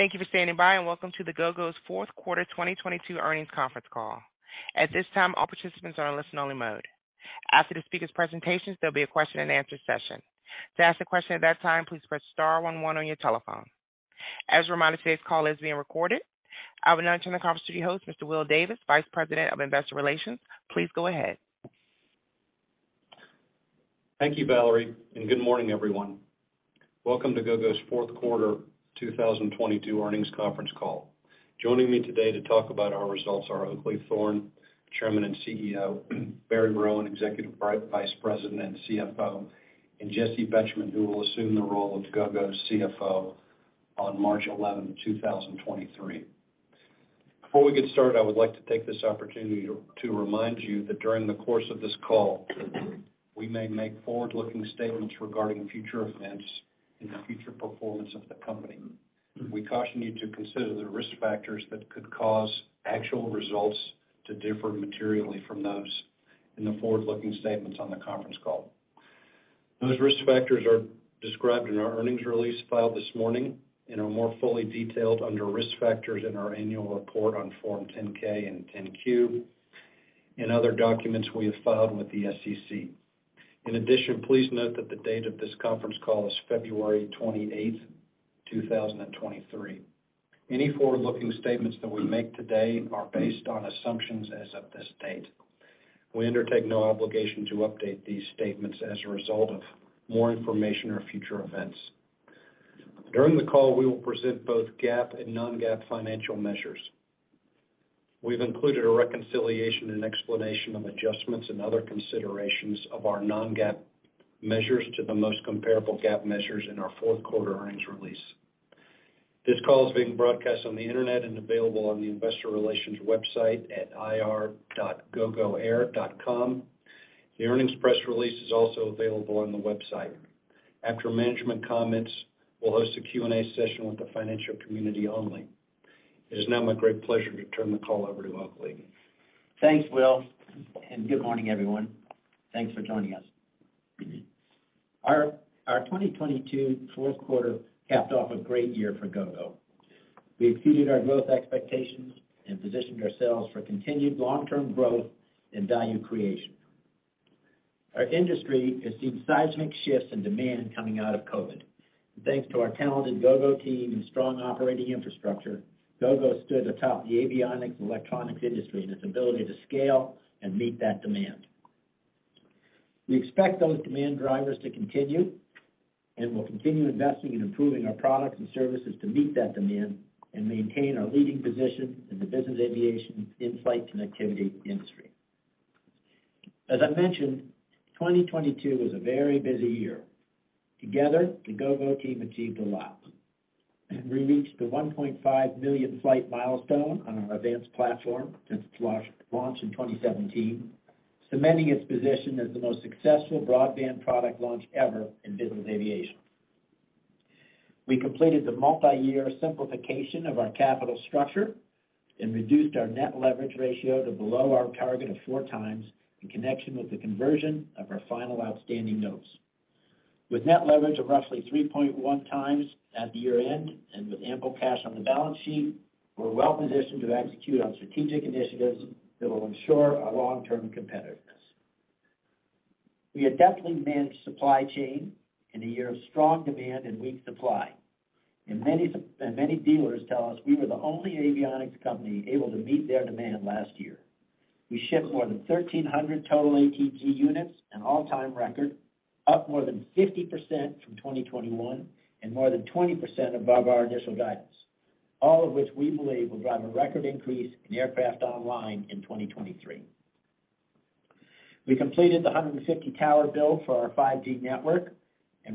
Thank you for standing by, and welcome to the Gogo's fourth quarter 2022 earnings conference call. At this time, all participants are in listen only mode. After the speakers' presentations, there will be a question and answer session. To ask a question at that time, please press star one one on your telephone. As a reminder, today's call is being recorded. I will now turn the conference to your host, Mr. Will Davis, Vice President of Investor Relations. Please go ahead. Thank you, Valerie. Good morning, everyone. Welcome to Gogo's fourth quarter 2022 earnings conference call. Joining me today to talk about our results are Oakleigh Thorne, Chairman and CEO, Barry Rowan, Executive Vice President and CFO, Jessi Betjemann, who will assume the role of Gogo's CFO on March 11, 2023. Before we get started, I would like to take this opportunity to remind you that during the course of this call, we may make forward-looking statements regarding future events and the future performance of the company. We caution you to consider the risk factors that could cause actual results to differ materially from those in the forward-looking statements on the conference call. Those risk factors are described in our earnings release filed this morning and are more fully detailed under Risk Factors in our annual report on Form 10-K and 10-Q and other documents we have filed with the SEC. Please note that the date of this conference call is February 28th, 2023. Any forward-looking statements that we make today are based on assumptions as of this date. We undertake no obligation to update these statements as a result of more information or future events. During the call, we will present both GAAP and non-GAAP financial measures. We've included a reconciliation and explanation of adjustments and other considerations of our non-GAAP measures to the most comparable GAAP measures in our fourth quarter earnings release. This call is being broadcast on the Internet and available on the investor relations website at ir.gogoair.com. The earnings press release is also available on the website. After management comments, we'll host a Q&A session with the financial community only. It is now my great pleasure to turn the call over to Oakleigh. Thanks, Will, and good morning, everyone. Thanks for joining us. Our 2022 fourth quarter capped off a great year for Gogo. We exceeded our growth expectations and positioned ourselves for continued long-term growth and value creation. Our industry has seen seismic shifts in demand coming out of COVID. Thanks to our talented Gogo team and strong operating infrastructure, Gogo stood atop the avionic electronics industry and its ability to scale and meet that demand. We expect those demand drivers to continue, and we'll continue investing in improving our products and services to meet that demand and maintain our leading position in the business aviation in-flight connectivity industry. As I mentioned, 2022 was a very busy year. Together, the Gogo team achieved a lot. We reached the 1.5 million flight milestone on our AVANCE platform since launch in 2017, cementing its position as the most successful broadband product launch ever in business aviation. We completed the multiyear simplification of our capital structure and reduced our net leverage ratio to below our target of 4x in connection with the conversion of our final outstanding notes. With net leverage of roughly 3.1x at the year-end, and with ample cash on the balance sheet, we're well-positioned to execute on strategic initiatives that will ensure our long-term competitiveness. We adeptly managed supply chain in a year of strong demand and weak supply, and many dealers tell us we were the only avionics company able to meet their demand last year. We shipped more than 1,300 total ATG units, an all-time record, up more than 50% from 2021, and more than 20% above our initial guidance, all of which we believe will drive a record increase in aircraft online in 2023. We completed the 150 tower build for our 5G network,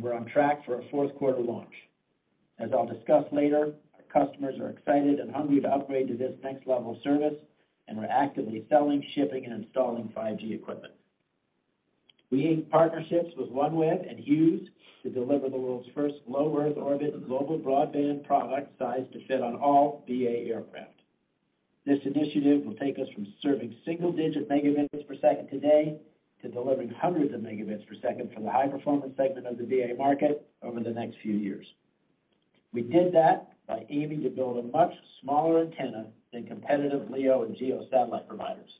we're on track for a fourth quarter launch. As I'll discuss later, our customers are excited and hungry to upgrade to this next level of service, we're actively selling, shipping, and installing 5G equipment. We aimed partnerships with OneWeb and Hughes to deliver the world's first low Earth orbit global broadband product sized to fit on all BA aircraft. This initiative will take us from serving single-digit megabits per second today to delivering hundreds of megabits per second for the high-performance segment of the BA market over the next few years. We did that by aiming to build a much smaller antenna than competitive LEO and GEO satellite providers,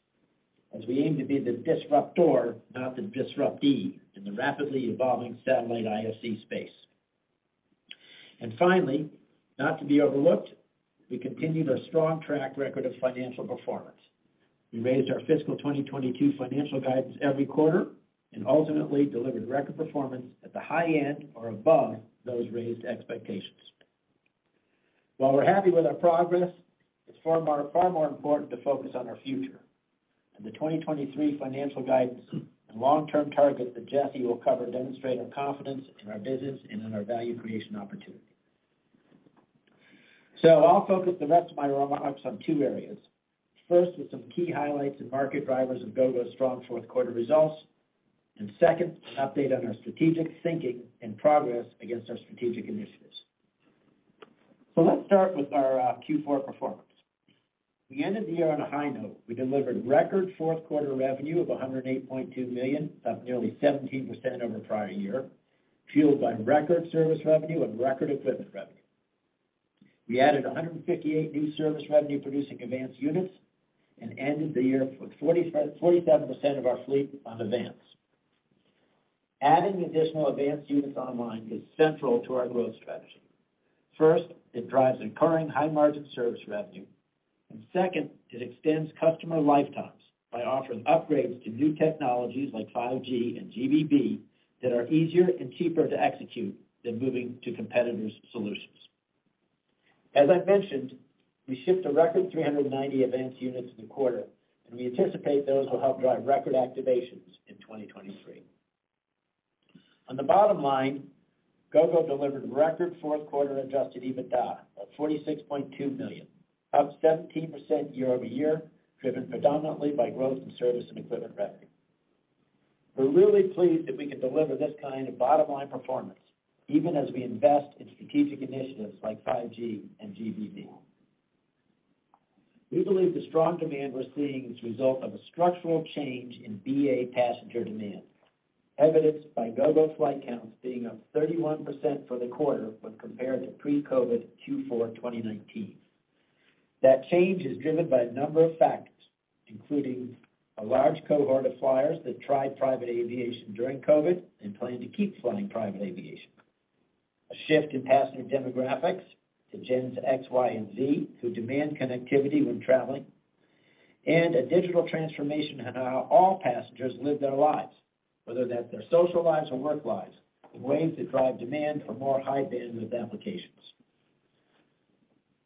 as we aim to be the disruptor, not the disruptee, in the rapidly evolving satellite IFC space. Finally, not to be overlooked, we continued our strong track record of financial performance. We raised our fiscal 2022 financial guidance every quarter and ultimately delivered record performance at the high end or above those raised expectations. While we're happy with our progress, it's far more important to focus on our future. The 2023 financial guidance and long-term targets that Jessi will cover demonstrate our confidence in our business and in our value creation opportunity. I'll focus the rest of my remarks on two areas. First, with some key highlights and market drivers of Gogo's strong fourth quarter results, and second, an update on our strategic thinking and progress against our strategic initiatives. Let's start with our Q4 performance. We ended the year on a high note. We delivered record fourth quarter revenue of $108.2 million, up nearly 17% over prior year, fueled by record service revenue and record equipment revenue. We added 158 new service revenue producing AVANCE units and ended the year with 47% of our fleet on AVANCE. Adding additional AVANCE units online is central to our growth strategy. First, it drives incurring high-margin service revenue, and second, it extends customer lifetimes by offering upgrades to new technologies like 5G and GBB that are easier and cheaper to execute than moving to competitors' solutions. As I mentioned, we shipped a record 390 AVANCE units in the quarter, we anticipate those will help drive record activations in 2023. On the bottom line, Gogo delivered record fourth quarter adjusted EBITDA of $46.2 million, up 17% year-over-year, driven predominantly by growth in service and equipment revenue. We're really pleased that we can deliver this kind of bottom-line performance even as we invest in strategic initiatives like 5G and GBB. We believe the strong demand we're seeing is a result of a structural change in BA passenger demand, evidenced by Gogo flight counts being up 31% for the quarter when compared to pre-COVID Q4 2019. That change is driven by a number of factors, including a large cohort of flyers that tried private aviation during COVID and plan to keep flying private aviation. A shift in passenger demographics to Gens X, Y, and Z, who demand connectivity when traveling, and a digital transformation in how all passengers live their lives, whether that's their social lives or work lives, in ways that drive demand for more high-bandwidth applications.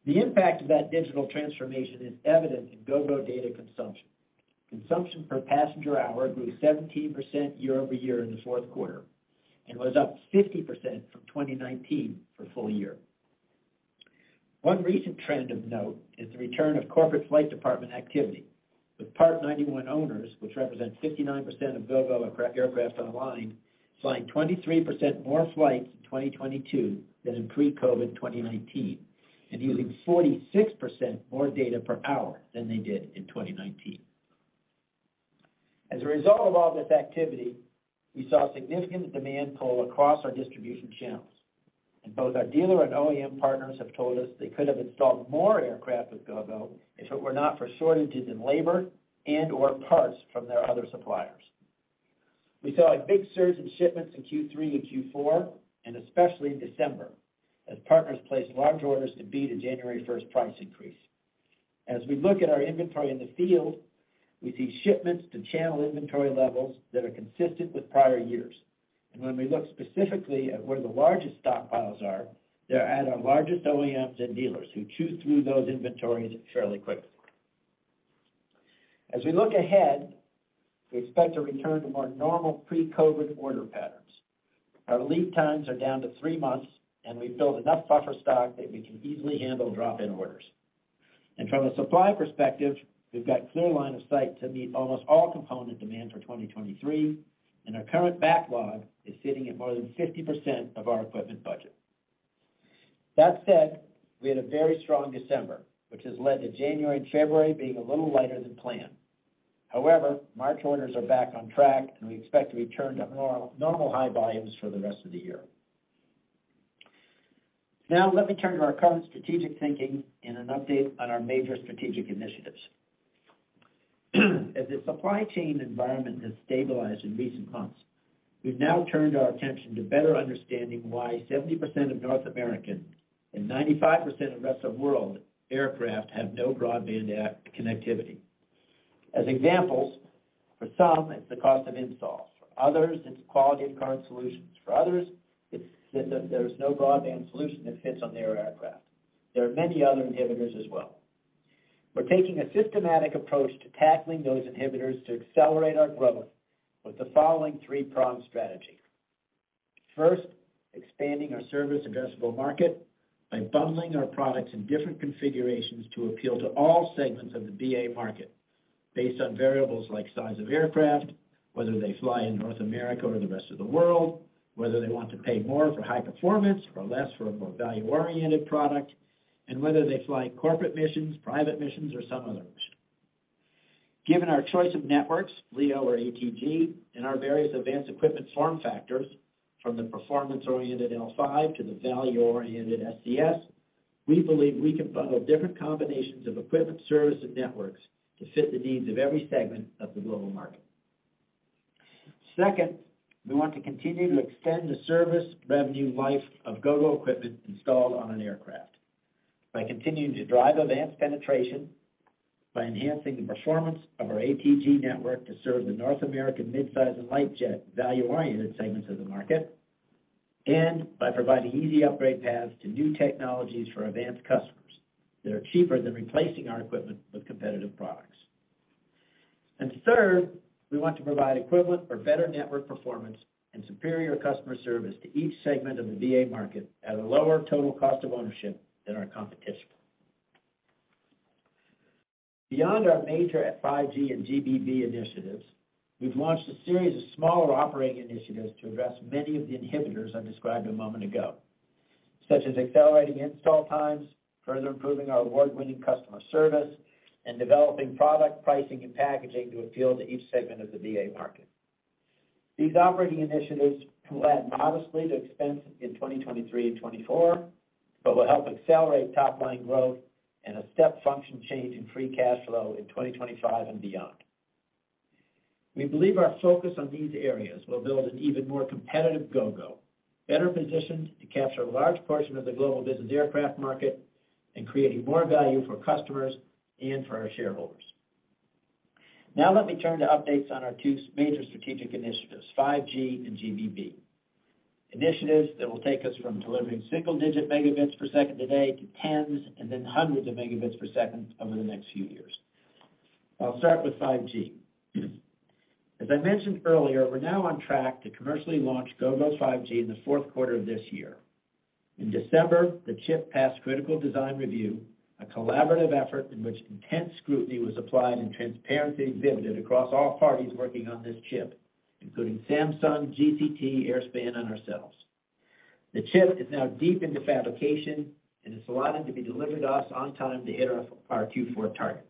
The impact of that digital transformation is evident in Gogo data consumption. Consumption per passenger hour grew 17% year-over-year in the Q4 and was up 50% from 2019 for full year. One recent trend of note is the return of corporate flight department activity, with Part 91 owners, which represent 59% of Gogo aircraft online, flying 23% more flights in 2022 than in pre-COVID 2019 and using 46% more data per hour than they did in 2019. As a result of all this activity, we saw significant demand pull across our distribution channels. Both our dealer and OEM partners have told us they could have installed more aircraft with Gogo if it were not for shortages in labor and/or parts from their other suppliers. We saw a big surge in shipments in Q3 and Q4, especially in December, as partners placed large orders to beat a January 1st price increase. As we look at our inventory in the field, we see shipments to channel inventory levels that are consistent with prior years. When we look specifically at where the largest stockpiles are, they're at our largest OEMs and dealers who chew through those inventories fairly quickly. As we look ahead, we expect to return to more normal pre-COVID order patterns. Our lead times are down to 3 months. We've built enough buffer stock that we can easily handle drop-in orders. From a supply perspective, we've got clear line of sight to meet almost all component demand for 2023. Our current backlog is sitting at more than 50% of our equipment budget. That said, we had a very strong December, which has led to January and February being a little lighter than planned. March orders are back on track, and we expect to return to normal high volumes for the rest of the year. Let me turn to our current strategic thinking and an update on our major strategic initiatives. As the supply chain environment has stabilized in recent months, we've now turned our attention to better understanding why 70% of North American and 95% of rest of world aircraft have no broadband connectivity. As examples, for some, it's the cost of install. For others, it's quality of current solutions. For others, it's that there's no broadband solution that fits on their aircraft. There are many other inhibitors as well. We're taking a systematic approach to tackling those inhibitors to accelerate our growth with the following three-pronged strategy. First, expanding our service addressable market by bundling our products in different configurations to appeal to all segments of the BA market based on variables like size of aircraft, whether they fly in North America or the rest of the world, whether they want to pay more for high performance or less for a more value-oriented product, and whether they fly corporate missions, private missions, or some other mission. Given our choice of networks, LEO or ATG, and our various advanced equipment form factors, from the performance-oriented L5 to the value-oriented SCS, we believe we can bundle different combinations of equipment, service, and networks to fit the needs of every segment of the global market. Second, we want to continue to extend the service revenue life of Gogo equipment installed on an aircraft by continuing to drive AVANCE penetration, by enhancing the performance of our ATG network to serve the North American midsize and light jet value-oriented segments of the market, and by providing easy upgrade paths to new technologies for AVANCE customers that are cheaper than replacing our equipment with competitive products. Third, we want to provide equivalent or better network performance and superior customer service to each segment of the BA market at a lower total cost of ownership than our competition. Beyond our major 5G and GBB initiatives, we've launched a series of smaller operating initiatives to address many of the inhibitors I described a moment ago. Such as accelerating install times, further improving our award-winning customer service, and developing product pricing and packaging to appeal to each segment of the BA market. These operating initiatives will add modestly to expense in 2023 and 2024, will help accelerate top line growth and a step function change in free cash flow in 2025 and beyond. We believe our focus on these areas will build an even more competitive Gogo, better positioned to capture a large portion of the global business aircraft market and creating more value for customers and for our shareholders. Let me turn to updates on our two major strategic initiatives, 5G and GBB. Initiatives that will take us from delivering single-digit megabits per second today to tens and then hundreds of megabits per second over the next few years. I'll start with 5G. As I mentioned earlier, we're now on track to commercially launch Gogo's 5G in Q4 of this year. In December, the chip passed critical design review, a collaborative effort in which intense scrutiny was applied and transparency exhibited across all parties working on this chip, including Samsung, GCT, Airspan, and ourselves. The chip is now deep into fabrication, and it's allotted to be delivered to us on time to hit our Q4 target.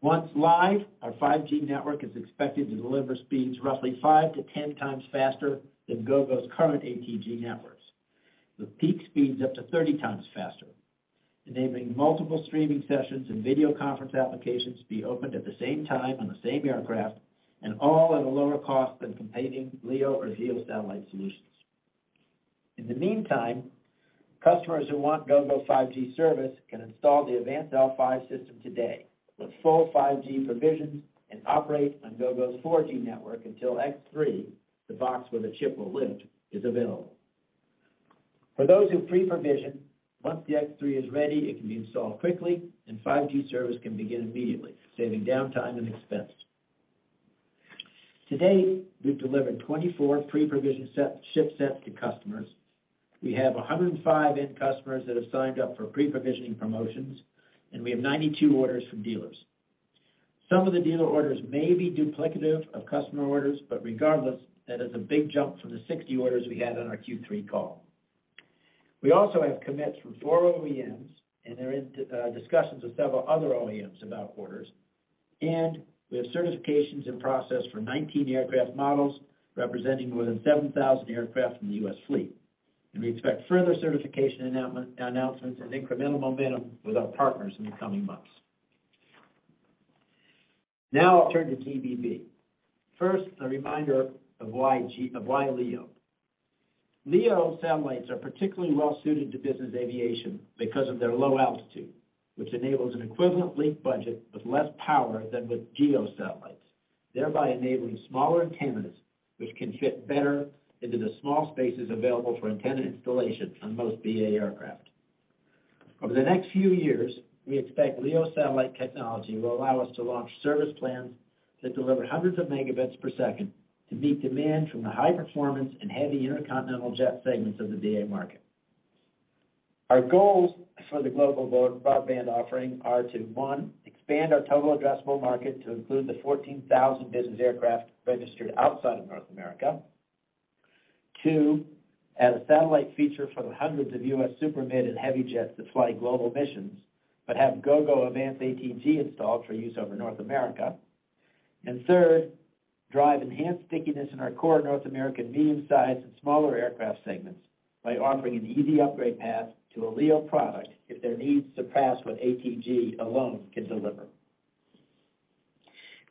Once live, our 5G network is expected to deliver speeds roughly 5x-10x faster than Gogo's current ATG networks, with peak speeds up to 30x faster, enabling multiple streaming sessions and video conference applications to be opened at the same time on the same aircraft, and all at a lower cost than competing LEO or GEO satellite solutions. In the meantime, customers who want Gogo 5G service can install the AVANCE L5 system today with full 5G provisions and operate on Gogo's 4G network until X3, the box where the chip will live, is available. For those who pre-provision, once the X3 is ready, it can be installed quickly, and 5G service can begin immediately, saving downtime and expense. To date, we've delivered 24 pre-provision set, ship sets to customers. We have 105 end customers that have signed up for pre-provisioning promotions. We have 92 orders from dealers. Some of the dealer orders may be duplicative of customer orders. Regardless, that is a big jump from the 60 orders we had on our Q3 call. We also have commits from four OEMs. They're in discussions with several other OEMs about orders. We have certifications in process for 19 aircraft models, representing more than 7,000 aircraft in the U.S. fleet. We expect further certification announcements and incremental momentum with our partners in the coming months. Now I'll turn to GBB. First, a reminder of why LEO. LEO satellites are particularly well-suited to business aviation because of their low altitude, which enables an equivalent link budget with less power than with GEO satellites, thereby enabling smaller antennas which can fit better into the small spaces available for antenna installation on most BA aircraft. Over the next few years, we expect LEO satellite technology will allow us to launch service plans that deliver hundreds of megabits per second to meet demand from the high-performance and heavy intercontinental jet segments of the BA market. Our goals for the global broadband offering are to, one, expand our total addressable market to include the 14,000 business aircraft registered outside of North America. Two, add a satellite feature for the hundreds of U.S. super mid and heavy jets that fly global missions, but have Gogo AVANCE ATG installed for use over North America. Third, drive enhanced stickiness in our core North American medium-sized and smaller aircraft segments by offering an easy upgrade path to a LEO product if their needs surpass what ATG alone can deliver.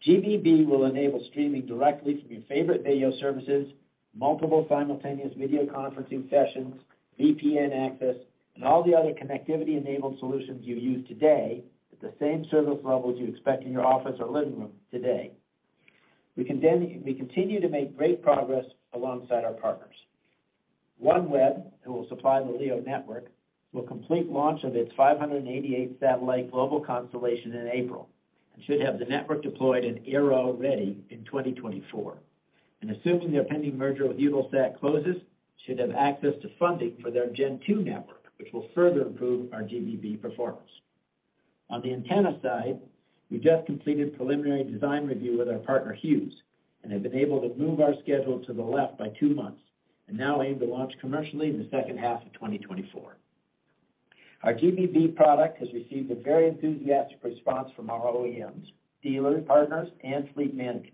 GBB will enable streaming directly from your favorite video services, multiple simultaneous video conferencing sessions, VPN access, and all the other connectivity-enabled solutions you use today at the same service levels you expect in your office or living room today. We continue to make great progress alongside our partners. OneWeb, who will supply the LEO network, will complete launch of its 588 satellite global constellation in April, and should have the network deployed and aero-ready in 2024. Assuming their pending merger with Eutelsat closes, should have access to funding for their Gen 2 network, which will further improve our GBB performance. On the antenna side, we just completed preliminary design review with our partner, Hughes, and have been able to move our schedule to the left by 2 months and now aim to launch commercially in the second half of 2024. Our GBB product has received a very enthusiastic response from our OEMs, dealer partners, and fleet managers.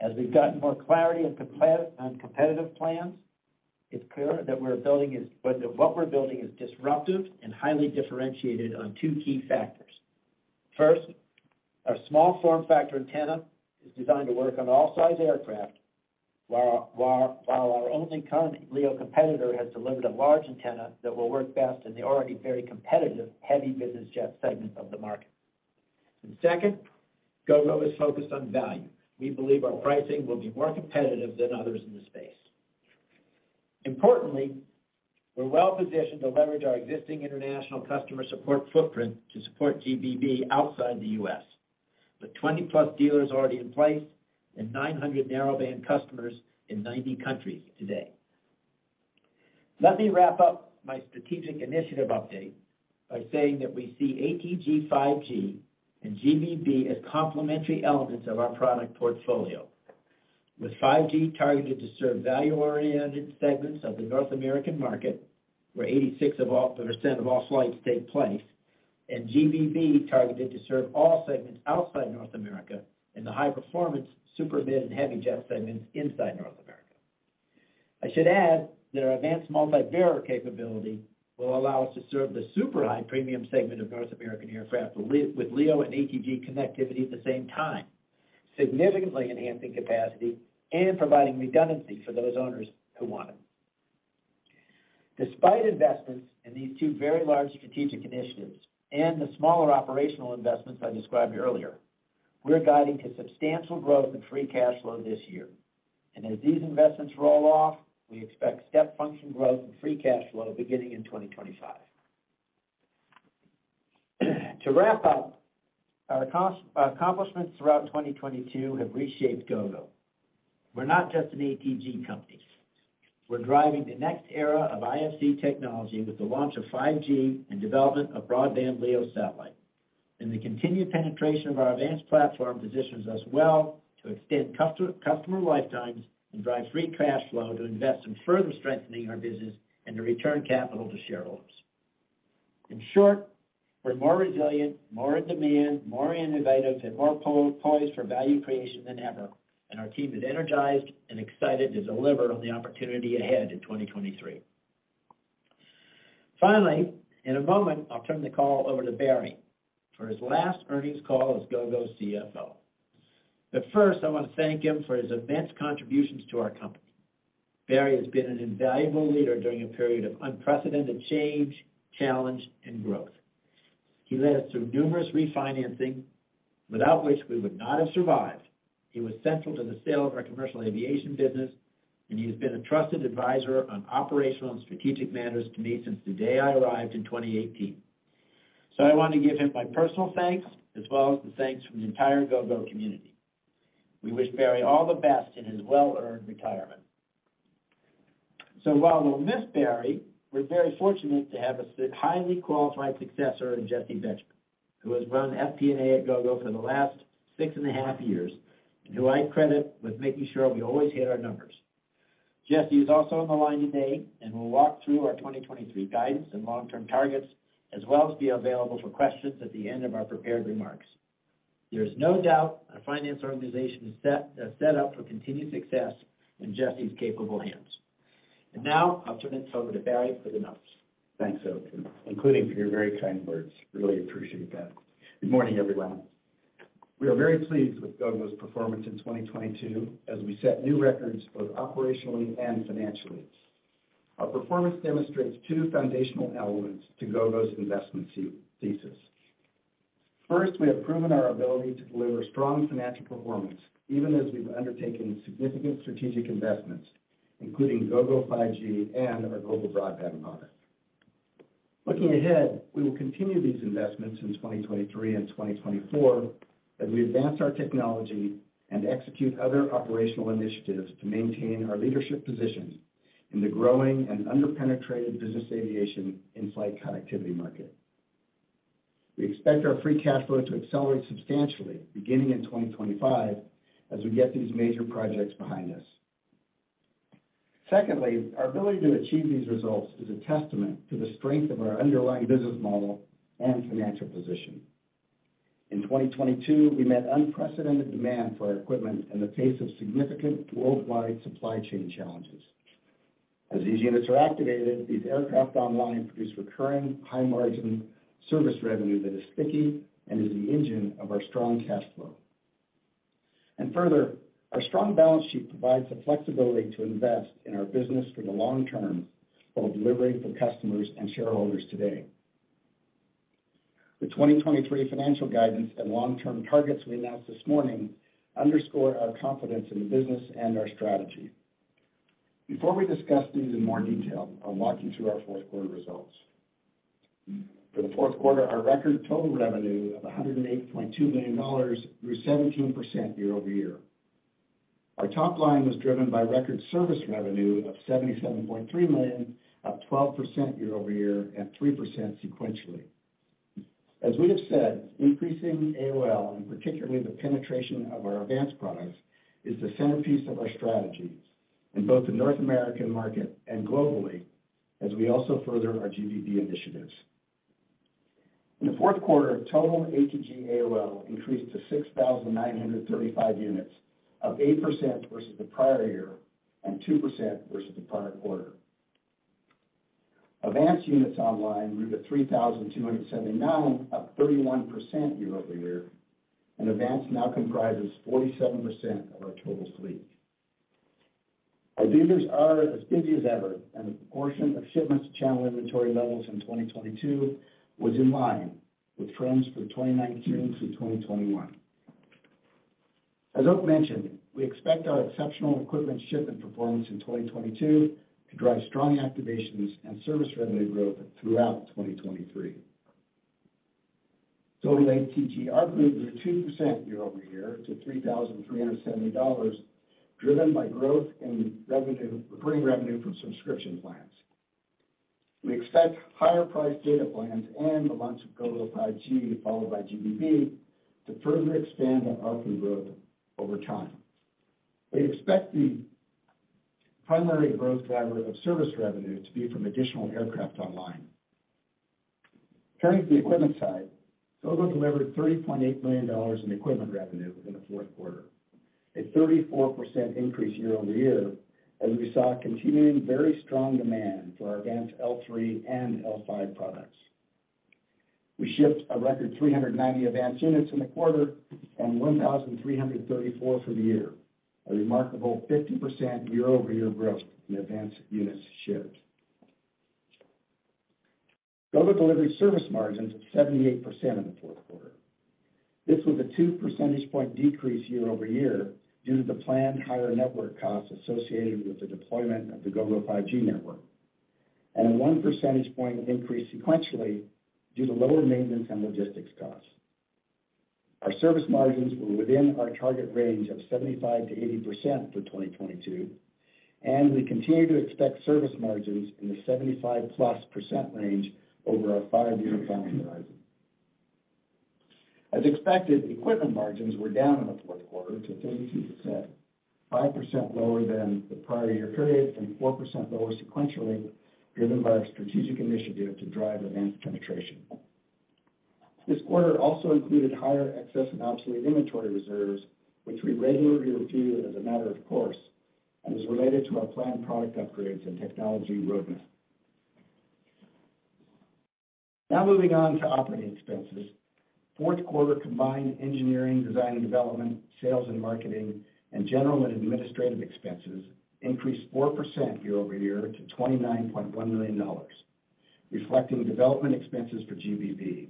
As we've gotten more clarity on competitive plans, it's clear that what we're building is disruptive and highly differentiated on two key factors. First, our small form factor antenna is designed to work on all size aircraft, while our only current LEO competitor has delivered a large antenna that will work best in the already very competitive, heavy business jet segment of the market. Second, Gogo is focused on value. We believe our pricing will be more competitive than others in the space. Importantly, we're well-positioned to leverage our existing international customer support footprint to support GBB outside the U.S., with 20+ dealers already in place and 900 narrowband customers in 90 countries today. Let me wrap up my strategic initiative update by saying that we see ATG 5G and GBB as complementary elements of our product portfolio. With 5G targeted to serve value-oriented segments of the North American market, where 86% of all flights take place, and GBB targeted to serve all segments outside North America, and the high-performance super mid and heavy jet segments inside North America. I should add that our AVANCE multi-bearer capability will allow us to serve the super high premium segment of North American aircraft with LEO and ATG connectivity at the same time, significantly enhancing capacity and providing redundancy for those owners who want it. Despite investments in these two very large strategic initiatives and the smaller operational investments I described earlier, we're guiding to substantial growth in free cash flow this year. As these investments roll off, we expect step function growth and free cash flow beginning in 2025. To wrap up, our accomplishments throughout 2022 have reshaped Gogo. We're not just an ATG company. We're driving the next era of IFC technology with the launch of 5G and development of broadband LEO satellite. The continued penetration of our advanced platform positions us well to extend customer lifetimes and drive free cash flow to invest in further strengthening our business and to return capital to shareholders. In short, we're more resilient, more in demand, more innovative, and more poised for value creation than ever. Our team is energized and excited to deliver on the opportunity ahead in 2023. Finally, in a moment, I'll turn the call over to Barry for his last earnings call as Gogo's CFO. First, I want to thank him for his immense contributions to our company. Barry has been an invaluable leader during a period of unprecedented change, challenge, and growth. He led us through numerous refinancings, without which we would not have survived. He was central to the sale of our commercial aviation business. He has been a trusted advisor on operational and strategic matters to me since the day I arrived in 2018. I want to give him my personal thanks, as well as the thanks from the entire Gogo community. We wish Barry all the best in his well-earned retirement. While we'll miss Barry, we're very fortunate to have a highly qualified successor in Jessi Betjemann, who has run FP&A at Gogo for the last 6.5 years, and who I credit with making sure we always hit our numbers. Jessi is also on the line today, and will walk through our 2023 guidance and long-term targets, as well as be available for questions at the end of our prepared remarks. There is no doubt our finance organization is set up for continued success in Jessi's capable hands. Now I'll turn it over to Barry for the notes. Thanks, Oak, including for your very kind words. Really appreciate that. Good morning, everyone. We are very pleased with Gogo's performance in 2022 as we set new records both operationally and financially. Our performance demonstrates two foundational elements to Gogo's investment thesis. First, we have proven our ability to deliver strong financial performance, even as we've undertaken significant strategic investments, including Gogo 5G and our global broadband product. Looking ahead, we will continue these investments in 2023 and 2024 as we advance our technology and execute other operational initiatives to maintain our leadership position in the growing and under-penetrated business aviation in-flight connectivity market. We expect our free cash flow to accelerate substantially beginning in 2025 as we get these major projects behind us. Secondly, our ability to achieve these results is a testament to the strength of our underlying business model and financial position. In 2022, we met unprecedented demand for our equipment in the face of significant worldwide supply chain challenges. As these units are activated, these aircraft online produce recurring high margin service revenue that is sticky and is the engine of our strong cash flow. Further, our strong balance sheet provides the flexibility to invest in our business for the long term, while delivering for customers and shareholders today. The 2023 financial guidance and long-term targets we announced this morning underscore our confidence in the business and our strategy. Before we discuss these in more detail, I'll walk you through our fourth quarter results. For the fourth quarter, our record total revenue of $108.2 million grew 17% year-over-year. Our top line was driven by record service revenue of $77.3 million, up 12% year-over-year and 3% sequentially. As we have said, increasing AOL, and particularly the penetration of our advanced products, is the centerpiece of our strategy in both the North American market and globally as we also further our GBB initiatives. In the fourth quarter, total ATG AOL increased to 6,935 units of 8% versus the prior year and 2% versus the prior quarter. Advanced units online were at 3,279, up 31% year-over-year, and advanced now comprises 47% of our total fleet. Our dealers are as busy as ever, and the proportion of shipments to channel inventory levels in 2022 was in line with trends for 2019-2021. As Oak mentioned, we expect our exceptional equipment shipment performance in 2022 to drive strong activations and service revenue growth throughout 2023. Total ATG ARPU grew 2% year-over-year to $3,370, driven by growth in recurring revenue from subscription plans. We expect higher priced data plans and the launch of Gogo 5G, followed by GBB, to further expand our ARPU growth over time. We expect the primary growth driver of service revenue to be from additional aircraft online. Turning to the equipment side, Gogo delivered $30.8 million in equipment revenue within the fourth quarter, a 34% increase year-over-year, as we saw continuing very strong demand for our AVANCE L3 and L5 products. We shipped a record 390 AVANCE units in the quarter and 1,334 for the year, a remarkable 50% year-over-year growth in AVANCE units shipped. Gogo delivered service margins of 78% in the fourth quarter. This was a 2 percentage point decrease year-over-year due to the planned higher network costs associated with the deployment of the Gogo 5G network, and a 1 percentage point increase sequentially due to lower maintenance and logistics costs. Our service margins were within our target range of 75%-80% for 2022, and we continue to expect service margins in the +75% range over our 5-year planning horizon. As expected, equipment margins were down in the fourth quarter to 32%, 5% lower than the prior year period and 4% lower sequentially, driven by our strategic initiative to drive AVANCE penetration. This quarter also included higher excess and obsolete inventory reserves, which we regularly review as a matter of course and is related to our planned product upgrades and technology roadmap. Moving on to operating expenses. Fourth quarter combined engineering, design and development, sales and marketing, and general and administrative expenses increased 4% year-over-year to $29.1 million, reflecting development expenses for GBB.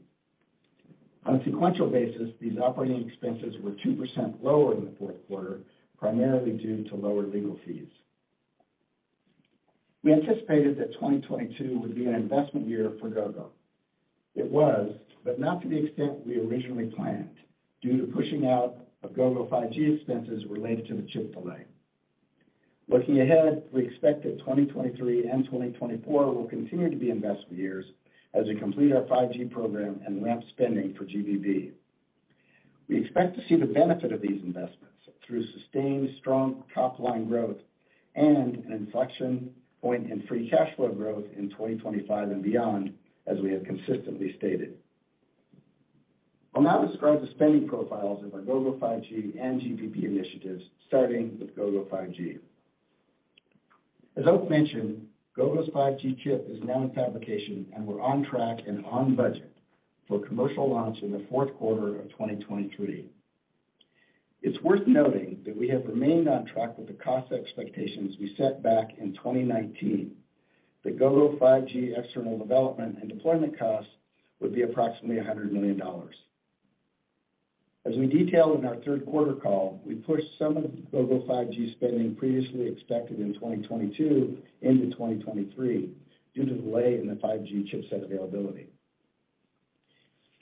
On a sequential basis, these operating expenses were 2% lower in the fourth quarter, primarily due to lower legal fees. We anticipated that 2022 would be an investment year for Gogo. It was, but not to the extent we originally planned due to pushing out of Gogo 5G expenses related to the chip delay. Looking ahead, we expect that 2023 and 2024 will continue to be investment years as we complete our 5G program and ramp spending for GBB. We expect to see the benefit of these investments through sustained strong top line growth and an inflection point in free cash flow growth in 2025 and beyond, as we have consistently stated. I'll now describe the spending profiles of our Gogo 5G and GBB initiatives, starting with Gogo 5G. As Oak mentioned, Gogo's 5G chip is now in fabrication, and we're on track and on budget for commercial launch in the fourth quarter of 2023. It's worth noting that we have remained on track with the cost expectations we set back in 2019. The Gogo 5G external development and deployment costs would be approximately $100 million. As we detailed in our fourth quarter call, we pushed some of Gogo 5G spending previously expected in 2022 into 2023 due to delay in the 5G chipset availability.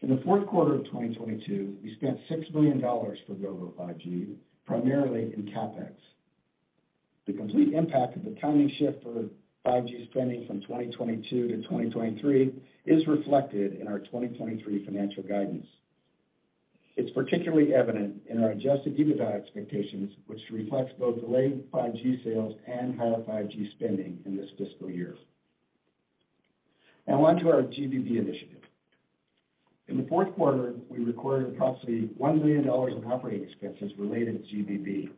In the fourth quarter of 2022, we spent $6 million for Gogo 5G, primarily in CapEx. The complete impact of the timing shift for 5G spending from 2022 to 2023 is reflected in our 2023 financial guidance. It's particularly evident in our adjusted EBITDA expectations, which reflects both delayed 5G sales and higher 5G spending in this fiscal year. On to our GBB initiative. In the fourth quarter, we recorded approximately $1 million in operating expenses related to GBB.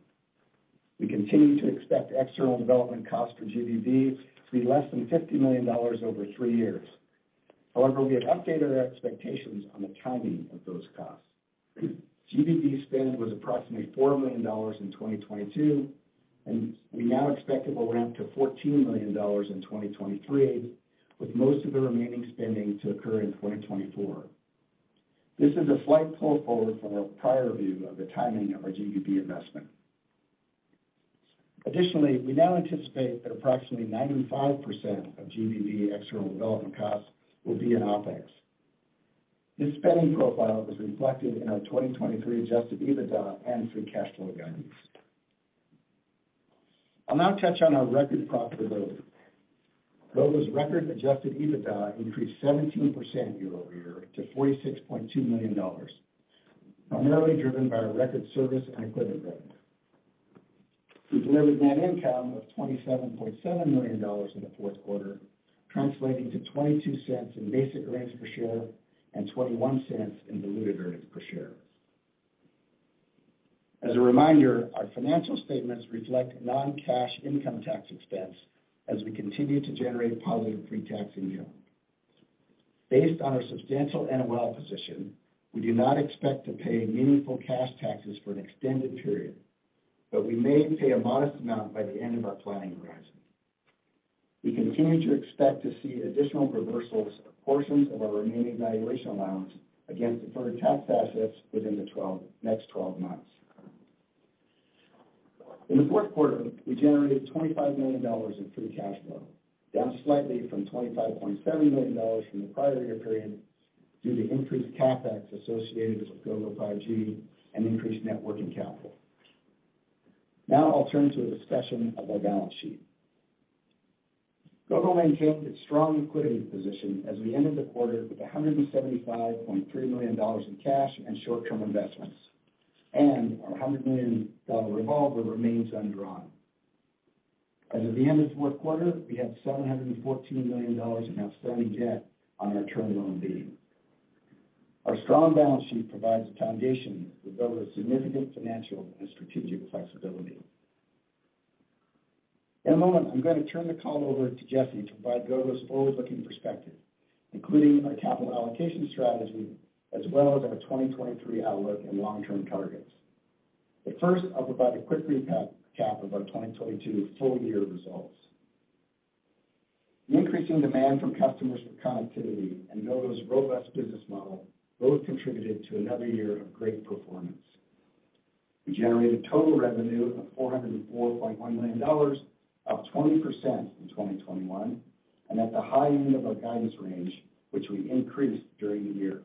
We continue to expect external development costs for GBB to be less than $50 million over 3 years. We have updated our expectations on the timing of those costs. GBB spend was approximately $4 million in 2022, we now expect it will ramp to $14 million in 2023, with most of the remaining spending to occur in 2024. This is a slight pull-forward from our prior view of the timing of our GBB investment. We now anticipate that approximately 95% of GBB external development costs will be in OpEx. This spending profile is reflected in our 2023 adjusted EBITDA and free cash flow guidance. I'll now touch on our record profitability. Gogo's record adjusted EBITDA increased 17% year-over-year to $46.2 million, primarily driven by our record service and equipment revenue. We delivered net income of $27.7 million in the fourth quarter, translating to $0.22 in basic earnings per share and $0.21 in diluted earnings per share. As a reminder, our financial statements reflect non-cash income tax expense as we continue to generate positive pre-tax income. Based on our substantial NOL position, we do not expect to pay meaningful cash taxes for an extended period, but we may pay a modest amount by the end of our planning horizon. We continue to expect to see additional reversals of portions of our remaining valuation allowance against deferred tax assets within next 12 months. In the fourth quarter, we generated $25 million in free cash flow, down slightly from $25.7 million from the prior year period due to increased CapEx associated with Gogo 5G and increased net working capital. I'll turn to a discussion of our balance sheet. Gogo maintained its strong liquidity position as we ended the quarter with $175.3 million in cash and short-term investments, and our $100 million revolver remains undrawn. As of the end of the fourth quarter, we had $714 million in outstanding debt on our Term Loan B. Our strong balance sheet provides a foundation to build a significant financial and strategic flexibility. In a moment, I'm gonna turn the call over to Jessi to provide Gogo's forward-looking perspective, including our capital allocation strategy, as well as our 2023 outlook and long-term targets. First, I'll provide a quick recap of our 2022 full year results. The increasing demand from customers for connectivity and Gogo's robust business model both contributed to another year of great performance. We generated total revenue of $404.1 million, up 20% from 2021, and at the high end of our guidance range, which we increased during the year.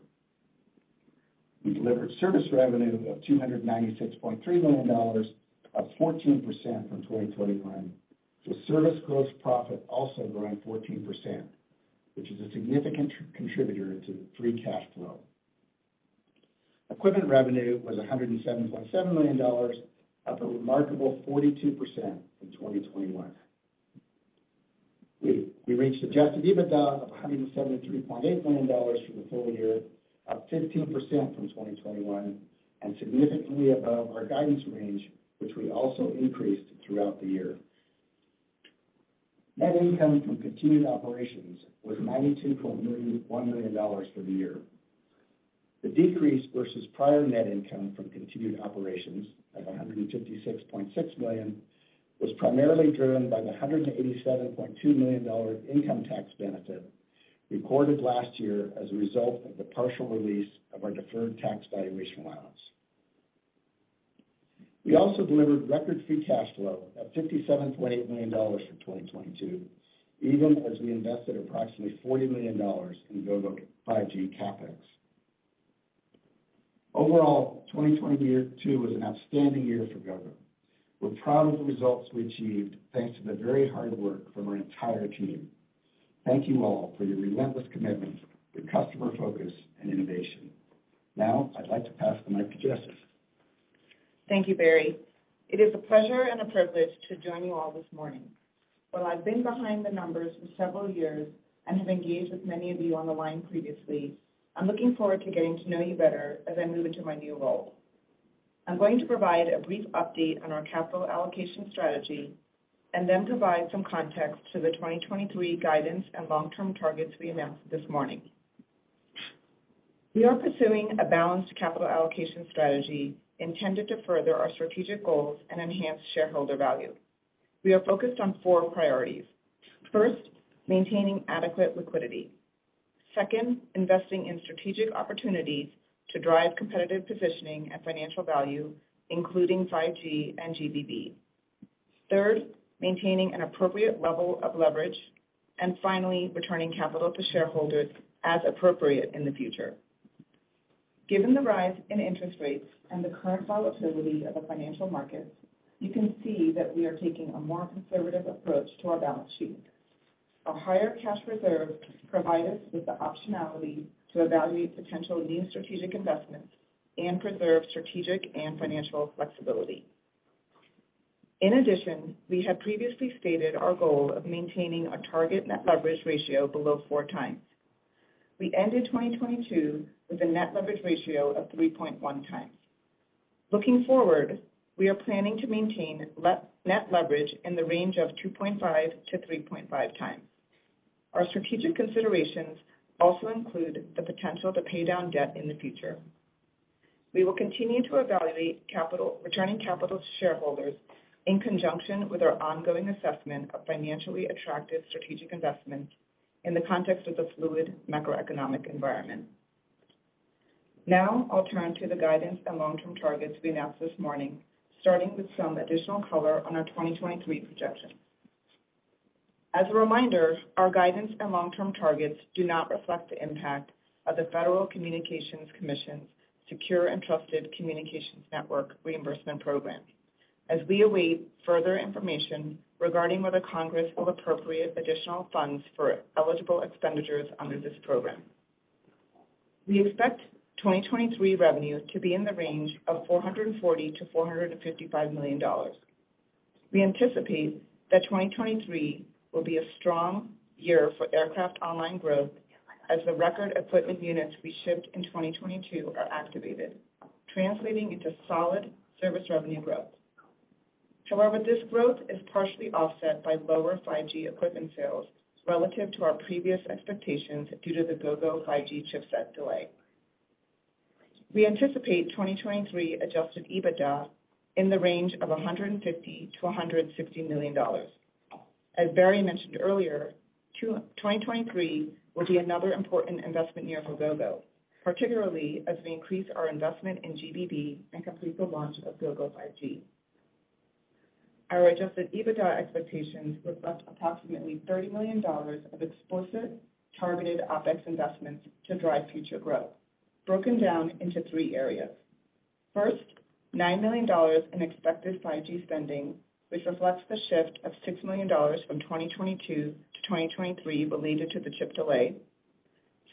We delivered service revenue of $296.3 million, up 14% from 2021, with service gross profit also growing 14%, which is a significant contributor to the free cash flow. Equipment revenue was $107.7 million, up a remarkable 42% from 2021. We reached adjusted EBITDA of $173.8 million for the full year, up 15% from 2021, and significantly above our guidance range, which we also increased throughout the year. Net income from continued operations was $92.1 million for the year. The decrease versus prior net income from continued operations of $156.6 million was primarily driven by the $187.2 million income tax benefit recorded last year as a result of the partial release of our deferred tax valuation allowance. We also delivered record free cash flow of $57.8 million for 2022, even as we invested approximately $40 million in Gogo 5G CapEx. Overall, 2022 was an outstanding year for Gogo. We're proud of the results we achieved thanks to the very hard work from our entire team. Thank you all for your relentless commitment, your customer focus, and innovation. Now, I'd like to pass the mic to Jessi. Thank you, Barry. It is a pleasure and a privilege to join you all this morning. While I've been behind the numbers for several years and have engaged with many of you on the line previously, I'm looking forward to getting to know you better as I move into my new role. I'm going to provide a brief update on our capital allocation strategy, and then provide some context to the 2023 guidance and long-term targets we announced this morning. We are pursuing a balanced capital allocation strategy intended to further our strategic goals and enhance shareholder value. We are focused on four priorities. First, maintaining adequate liquidity. Second, investing in strategic opportunities to drive competitive positioning and financial value, including 5G and GBB. Third, maintaining an appropriate level of leverage, and finally, returning capital to shareholders as appropriate in the future. Given the rise in interest rates and the current volatility of the financial markets, you can see that we are taking a more conservative approach to our balance sheet. A higher cash reserve provide us with the optionality to evaluate potential new strategic investments and preserve strategic and financial flexibility. In addition, we have previously stated our goal of maintaining a target net leverage ratio below 4x. We ended 2022 with a net leverage ratio of 3.1x. Looking forward, we are planning to maintain net leverage in the range of 2.5x-3.5x. Our strategic considerations also include the potential to pay down debt in the future. We will continue to evaluate returning capital to shareholders in conjunction with our ongoing assessment of financially attractive strategic investments in the context of the fluid macroeconomic environment. I'll turn to the guidance and long-term targets we announced this morning, starting with some additional color on our 2023 projections. As a reminder, our guidance and long-term targets do not reflect the impact of the Federal Communications Commission's Secure and Trusted Communications Networks Reimbursement Program as we await further information regarding whether Congress will appropriate additional funds for eligible expenditures under this program. We expect 2023 revenue to be in the range of $440 million-$455 million. We anticipate that 2023 will be a strong year for aircraft online growth as the record equipment units we shipped in 2022 are activated, translating into solid service revenue growth. This growth is partially offset by lower 5G equipment sales relative to our previous expectations due to the Gogo 5G chipset delay. We anticipate 2023 adjusted EBITDA in the range of $150 million-$160 million. As Barry mentioned earlier, 2023 will be another important investment year for Gogo, particularly as we increase our investment in GBB and complete the launch of Gogo 5G. Our adjusted EBITDA expectations reflect approximately $30 million of explicit targeted OpEx investments to drive future growth, broken down into three areas. First, $9 million in expected 5G spending, which reflects the shift of $6 million from 2022 to 2023 related to the chip delay.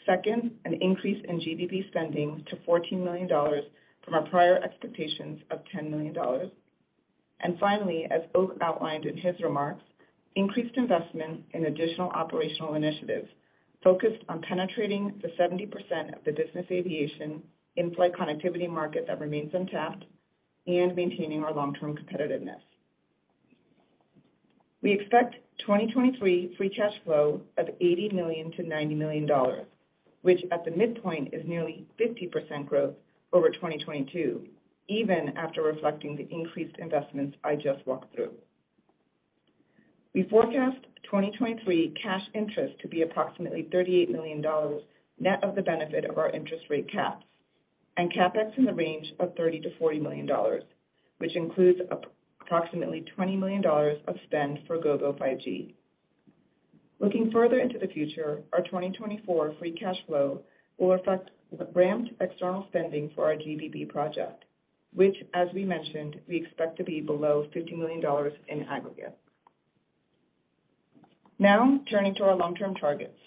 Second, an increase in GBB spending to $14 million from our prior expectations of $10 million. Finally, as Oak outlined in his remarks, increased investment in additional operational initiatives focused on penetrating the 70% of the business aviation in-flight connectivity market that remains untapped and maintaining our long-term competitiveness. We expect 2023 free cash flow of $80 million-$90 million, which at the midpoint is nearly 50% growth over 2022, even after reflecting the increased investments I just walked through. We forecast 2023 cash interest to be approximately $38 million net of the benefit of our interest rate caps, and CapEx in the range of $30 million-$40 million, which includes approximately $20 million of spend for Gogo 5G. Looking further into the future, our 2024 free cash flow will reflect the ramped external spending for our GBB project, which as we mentioned, we expect to be below $50 million in aggregate. Now, turning to our long-term targets.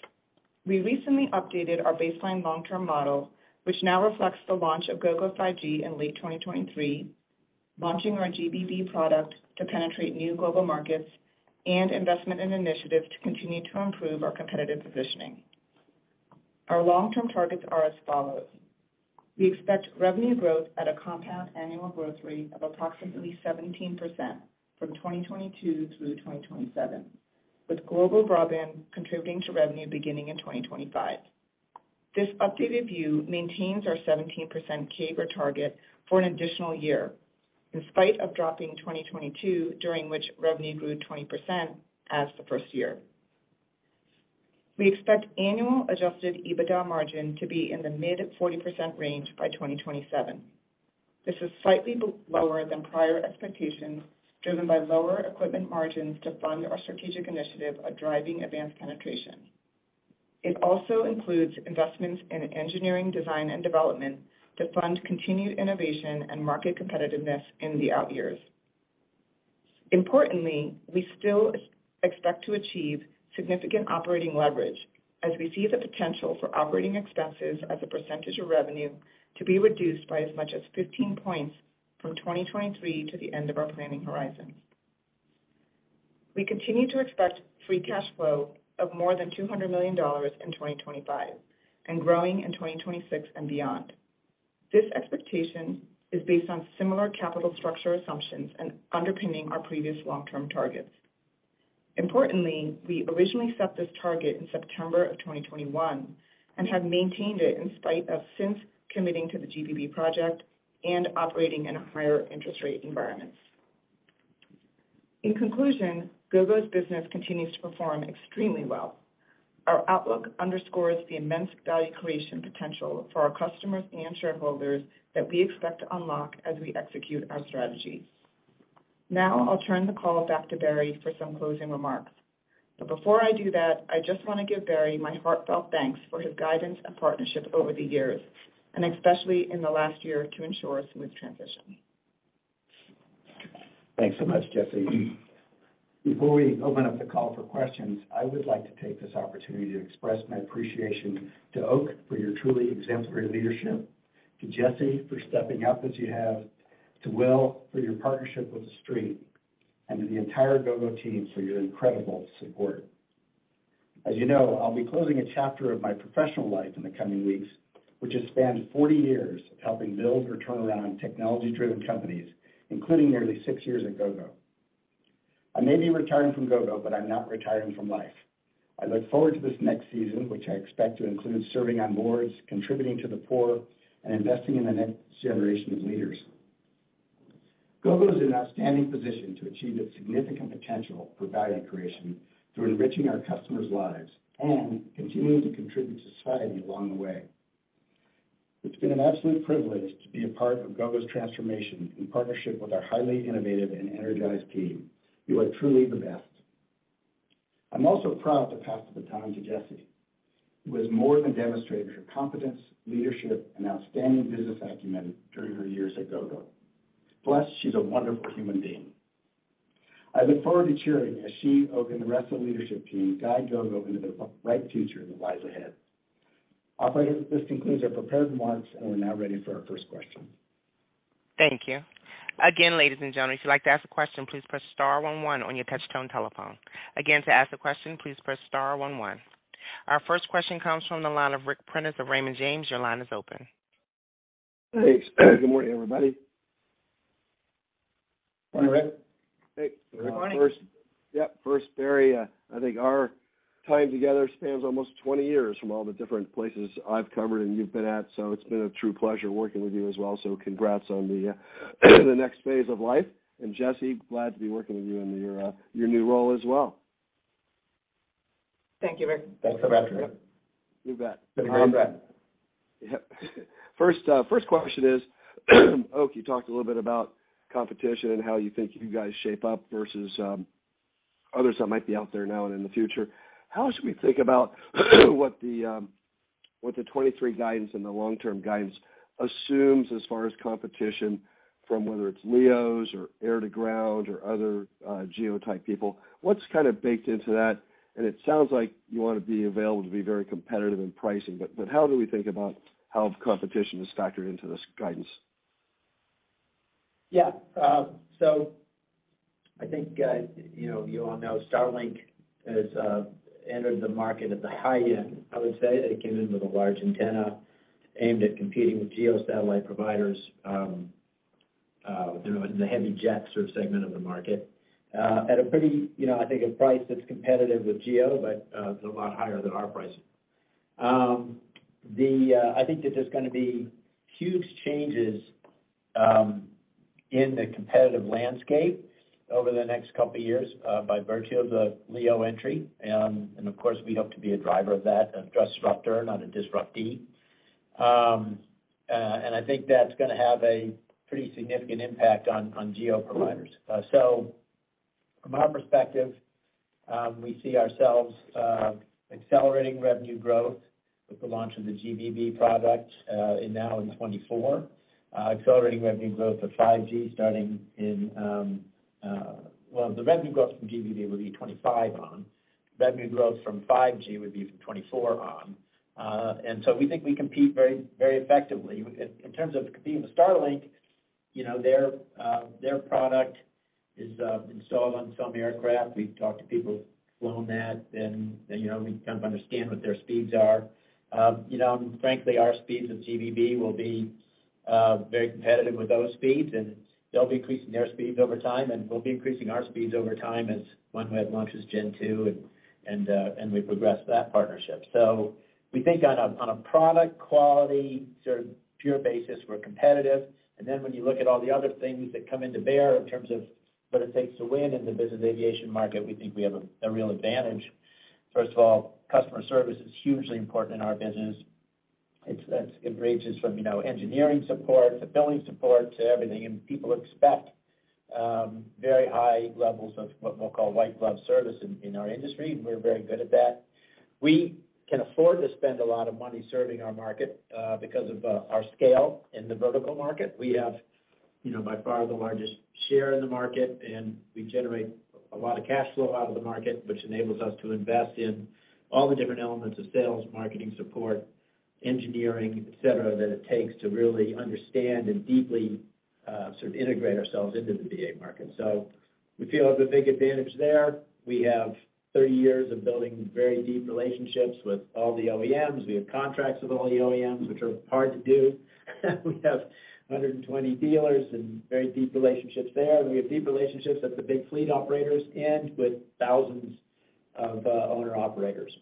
We recently updated our baseline long-term model, which now reflects the launch of Gogo 5G in late 2023, launching our GBB product to penetrate new global markets, and investment in initiatives to continue to improve our competitive positioning. Our long-term targets are as follows. We expect revenue growth at a compound annual growth rate of approximately 17% from 2022 through 2027, with global broadband contributing to revenue beginning in 2025. This updated view maintains our 17% CAGR target for an additional year, in spite of dropping 2022 during which revenue grew 20% as the first year. We expect annual adjusted EBITDA margin to be in the mid-40% range by 2027. This is slightly lower than prior expectations, driven by lower equipment margins to fund our strategic initiative of driving advanced penetration. It also includes investments in engineering, design, and development to fund continued innovation and market competitiveness in the out years. Importantly, we still expect to achieve significant operating leverage as we see the potential for operating expenses as a percentage of revenue to be reduced by as much as 15 points from 2023 to the end of our planning horizon. We continue to expect free cash flow of more than $200 million in 2025 and growing in 2026 and beyond. This expectation is based on similar capital structure assumptions and underpinning our previous long-term targets. Importantly, we originally set this target in September of 2021 and have maintained it in spite of since committing to the GBB project and operating in a higher interest rate environment. In conclusion, Gogo's business continues to perform extremely well. Our outlook underscores the immense value creation potential for our customers and shareholders that we expect to unlock as we execute our strategy. Now, I'll turn the call back to Barry for some closing remarks. Before I do that, I just want to give Barry my heartfelt thanks for his guidance and partnership over the years, and especially in the last year to ensure a smooth transition. Thanks so much, Jessi. Before we open up the call for questions, I would like to take this opportunity to express my appreciation to Oakleigh for your truly exemplary leadership, to Jessi for stepping up as you have, to Will for your partnership with the Street, and to the entire Gogo team for your incredible support. As you know, I'll be closing a chapter of my professional life in the coming weeks, which has spanned 40 years of helping build or turn around technology-driven companies, including nearly 6 years at Gogo. I may be retiring from Gogo, but I'm not retiring from life. I look forward to this next season, which I expect to include serving on boards, contributing to the poor, and investing in the next generation of leaders. Gogo is in an outstanding position to achieve its significant potential for value creation through enriching our customers' lives and continuing to contribute to society along the way. It's been an absolute privilege to be a part of Gogo's transformation in partnership with our highly innovative and energized team. You are truly the best. I'm also proud to pass the baton to Jessi, who has more than demonstrated her competence, leadership, and outstanding business acumen during her years at Gogo. Plus, she's a wonderful human being. I look forward to cheering as she, Oak, and the rest of the leadership team guide Gogo into the bright future that lies ahead. Operator, this concludes our prepared remarks, and we're now ready for our first question. Thank you. Again, ladies and gentlemen, if you'd like to ask a question, please press star one one on your touch-tone telephone. Again, to ask a question, please press star one one. Our first question comes from the line of Ric Prentiss of Raymond James. Your line is open. Thanks. Good morning, everybody. Morning, Ric. Hey. Good morning. Yeah, first, Barry, I think our time together spans almost 20 years from all the different places I've covered and you've been at, so it's been a true pleasure working with you as well. Congrats on the next phase of life. Jessi, glad to be working with you in your new role as well. Thank you, Ric. Thank you Ric. Yep. You bet. First question is, Oak, you talked a little bit about competition and how you think you guys shape up versus others that might be out there now and in the future. How should we think about what the 2023 guidance and the long-term guidance assumes as far as competition from whether it's LEOs or air-to-ground or other GEO-type people? What's kind of baked into that? It sounds like you wanna be available to be very competitive in pricing. How do we think about how competition is factored into this guidance? I think, you know, you all know Starlink has entered the market at the high end, I would say. They came in with a large antenna aimed at competing with GEO satellite providers, you know, in the heavy jet sort of segment of the market, at a pretty, you know, I think a price that's competitive with GEO, but a lot higher than our pricing. I think that there's gonna be huge changes in the competitive landscape over the next couple years by virtue of the LEO entry, of course, we hope to be a driver of that, a disruptor, not a disruptee. I think that's gonna have a pretty significant impact on GEO providers. From our perspective, we see ourselves accelerating revenue growth with the launch of the GBB product, and now in 2024, accelerating revenue growth of 5G starting in. The revenue growth from GBB would be 2025 on. Revenue growth from 5G would be from 2024 on. We think we compete very, very effectively. In terms of competing with Starlink, you know, their product is installed on some aircraft. We've talked to people who've flown that and, you know, we kind of understand what their speeds are. You know, frankly, our speeds with GBB will be very competitive with those speeds, and they'll be increasing their speeds over time, and we'll be increasing our speeds over time as OneWeb launches Gen 2 and we progress that partnership. We think on a product quality sort of pure basis, we're competitive. When you look at all the other things that come into bear in terms of what it takes to win in the business aviation market, we think we have a real advantage. First of all, customer service is hugely important in our business. That's, it ranges from, you know, engineering support to billing support to everything. People expect very high levels of what we'll call white glove service in our industry. We're very good at that. We can afford to spend a lot of money serving our market because of our scale in the vertical market. We have, you know, by far the largest share in the market. We generate a lot of cash flow out of the market, which enables us to invest in all the different elements of sales, marketing support, engineering, et cetera, that it takes to really understand and deeply, sort of integrate ourselves into the BA market. We feel we have a big advantage there. We have 30 years of building very deep relationships with all the OEMs. We have contracts with all the OEMs, which are hard to do. We have 120 dealers and very deep relationships there. We have deep relationships at the big fleet operators and with thousands of owner-operators.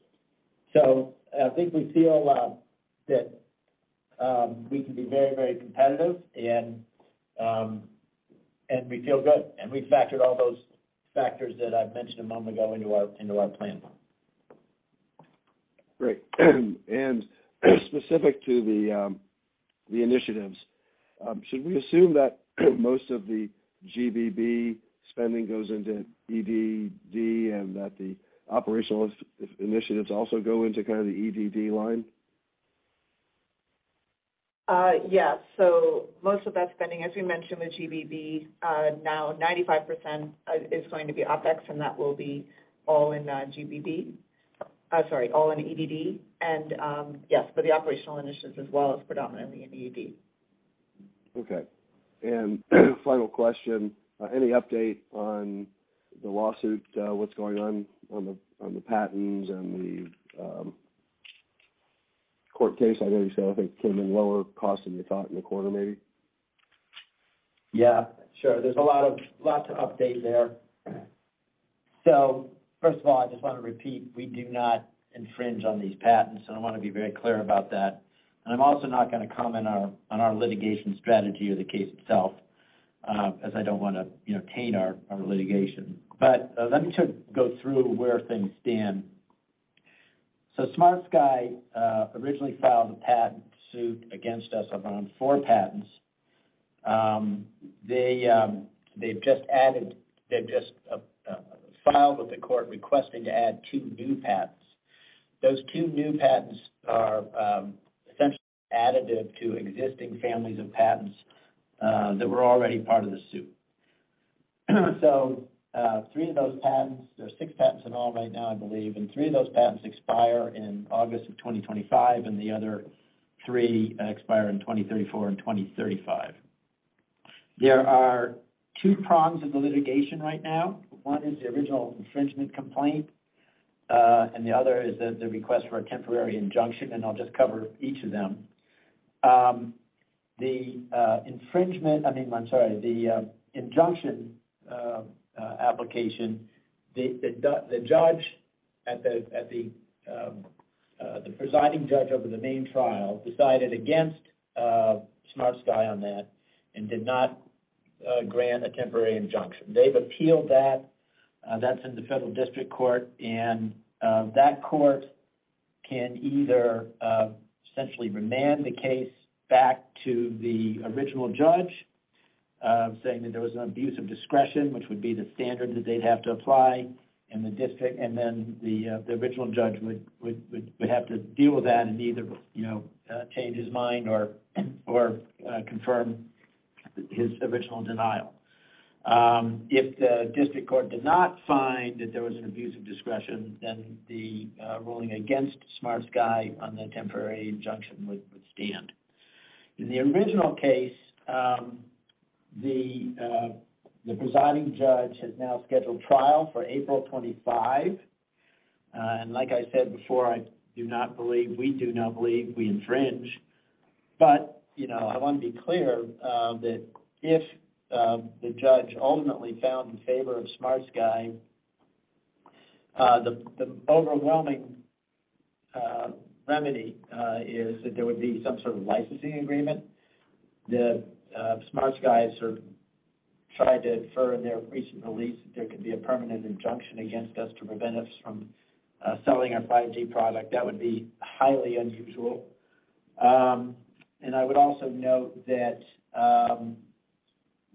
I think we feel that we can be very, very competitive. We feel good. We factored all those factors that I've mentioned a moment ago into our plan. Great. Specific to the initiatives, should we assume that most of the GBB spending goes into ED&D and that the operational initiatives also go into kind of the ED&D line? Yes. Most of that spending, as we mentioned with GBB, now 95%, is going to be OpEx, and that will be all in GBB. Sorry, all in ED&D. Yes, for the operational initiatives as well as predominantly in ED&D. Okay. Final question. Any update on the lawsuit, what's going on the, on the patents and the court case? I know you said I think it came in lower cost than you thought in the quarter maybe. Yeah. Sure. There's a lot of, lots of update there. First of all, I just wanna repeat, we do not infringe on these patents, and I wanna be very clear about that. I'm also not gonna comment on our litigation strategy or the case itself, as I don't wanna, you know, taint our litigation. Let me sort of go through where things stand. SmartSky originally filed a patent suit against us around four patents. They've just filed with the court requesting to add two new patents. Those two new patents are essentially additive to existing families of patents that were already part of the suit. Three of those patents, there are six patents in all right now, I believe, and three of those patents expire in August of 2025, and the other three expire in 2034 and 2035. There are two prongs of the litigation right now. One is the original infringement complaint, and the other is the request for a temporary injunction, and I'll just cover each of them. The infringement... I mean, I'm sorry. The injunction application, the judge at the presiding judge over the main trial decided against SmartSky on that and did not grant a temporary injunction. They've appealed, that's in the Federal District Court, that court can either essentially remand the case back to the original judge, saying that there was an abuse of discretion, which would be the standard that they'd have to apply in the District. The original judge would have to deal with that and either, you know, change his mind or confirm his original denial. If the District Court did not find that there was an abuse of discretion, the ruling against SmartSky on the temporary injunction would stand. In the original case, the presiding judge has now scheduled trial for April 25. Like I said before, we do not believe we infringe. You know, I want to be clear that if the judge ultimately found in favor of SmartSky, the overwhelming remedy is that there would be some sort of licensing agreement. The SmartSky sort of tried to infer in their recent release that there could be a permanent injunction against us to prevent us from selling our 5G product. That would be highly unusual. I would also note that,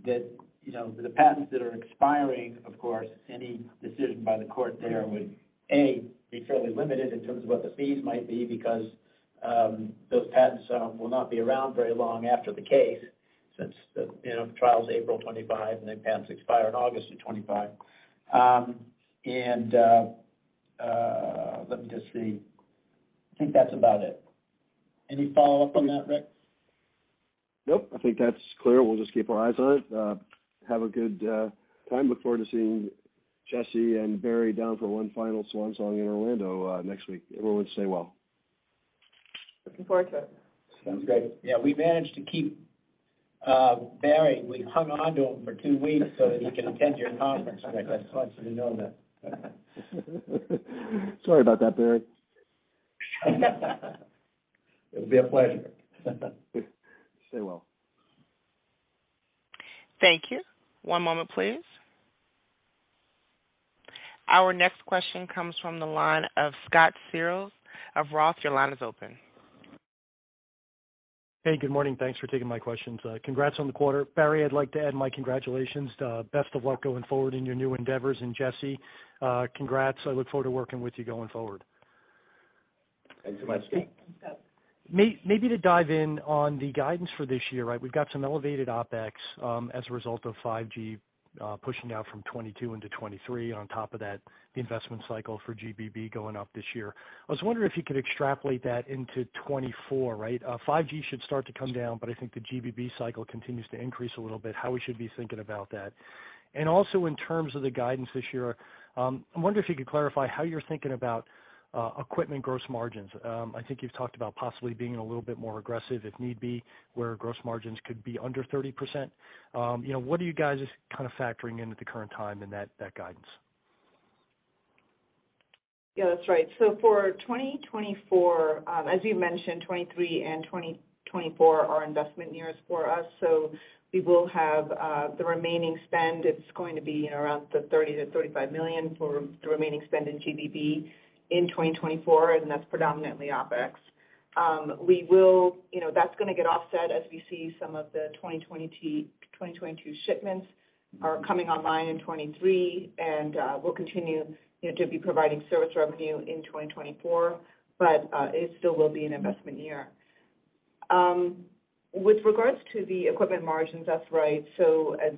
you know, the patents that are expiring, of course, any decision by the court there would, A, be fairly limited in terms of what the fees might be because those patents will not be around very long after the case since the, you know, trial is April 25, and the patents expire in August of 2025. Let me just see. I think that's about it. Any follow-up on that, Ric? Nope. I think that's clear. We'll just keep our eyes on it. Have a good time. Look forward to seeing Jessi and Barry down for one final swansong in Orlando next week. Everyone stay well. Looking forward to it. Sounds great. We managed to keep Barry. We hung on to him for 2 weeks so that he could attend your conference. I just want you to know that. Sorry about that, Barry. It'll be a pleasure. Stay well. Thank you. One moment, please. Our next question comes from the line of Scott Searle of Roth. Your line is open. Hey, good morning. Thanks for taking my questions. Congrats on the quarter. Barry, I'd like to add my congratulations. Best of luck going forward in your new endeavors. Jessi, congrats. I look forward to working with you going forward. Thanks so much. Thanks, Scott. Maybe to dive in on the guidance for this year, right? We've got some elevated OpEx, as a result of 5G, pushing out from 2022 into 2023 on top of that investment cycle for GBB going up this year. I was wondering if you could extrapolate that into 2024, right? 5G should start to come down, but I think the GBB cycle continues to increase a little bit. How we should be thinking about that? Also in terms of the guidance this year, I wonder if you could clarify how you're thinking about equipment gross margins. I think you've talked about possibly being a little bit more aggressive, if need be, where gross margins could be under 30%. You know, what are you guys kind of factoring in at the current time in that guidance? Yeah, that's right. For 2024, as you mentioned, 2023 and 2024 are investment years for us. We will have the remaining spend. It's going to be around $30 million-$35 million for the remaining spend in GBB in 2024, and that's predominantly OpEx. You know, that's going to get offset as we see some of the 2022 shipments are coming online in 2023, and we'll continue, you know, to be providing service revenue in 2024, but it still will be an investment year. With regards to the equipment margins, that's right. As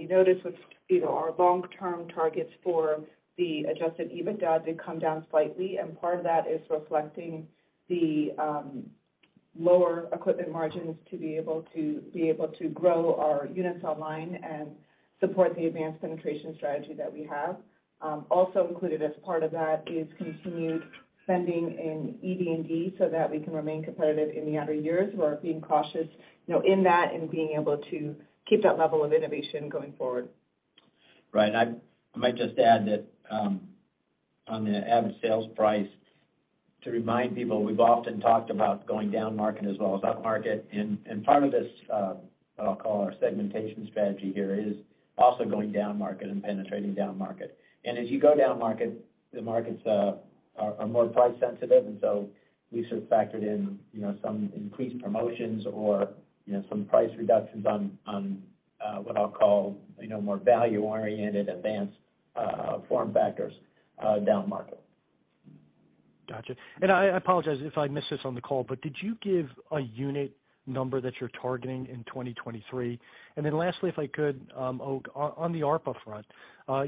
you notice with, you know, our long-term targets for the adjusted EBITDA did come down slightly, and part of that is reflecting the lower equipment margins to be able to grow our units online and support the advanced penetration strategy that we have. Also included as part of that is continued spending in R&D so that we can remain competitive in the outer years. We're being cautious, you know, in that and being able to keep that level of innovation going forward. Right. I might just add that on the average sales price, to remind people, we've often talked about going down market as well as up market. Part of this, what I'll call our segmentation strategy here is also going down market and penetrating down market. As you go down market, the markets are more price sensitive, we sort of factored in, you know, some increased promotions or, you know, some price reductions on what I'll call, you know, more value-oriented advanced form factors down market. Gotcha. I apologize if I missed this on the call, but did you give a unit number that you're targeting in 2023? Then lastly, if I could, oh, on the ARPA front,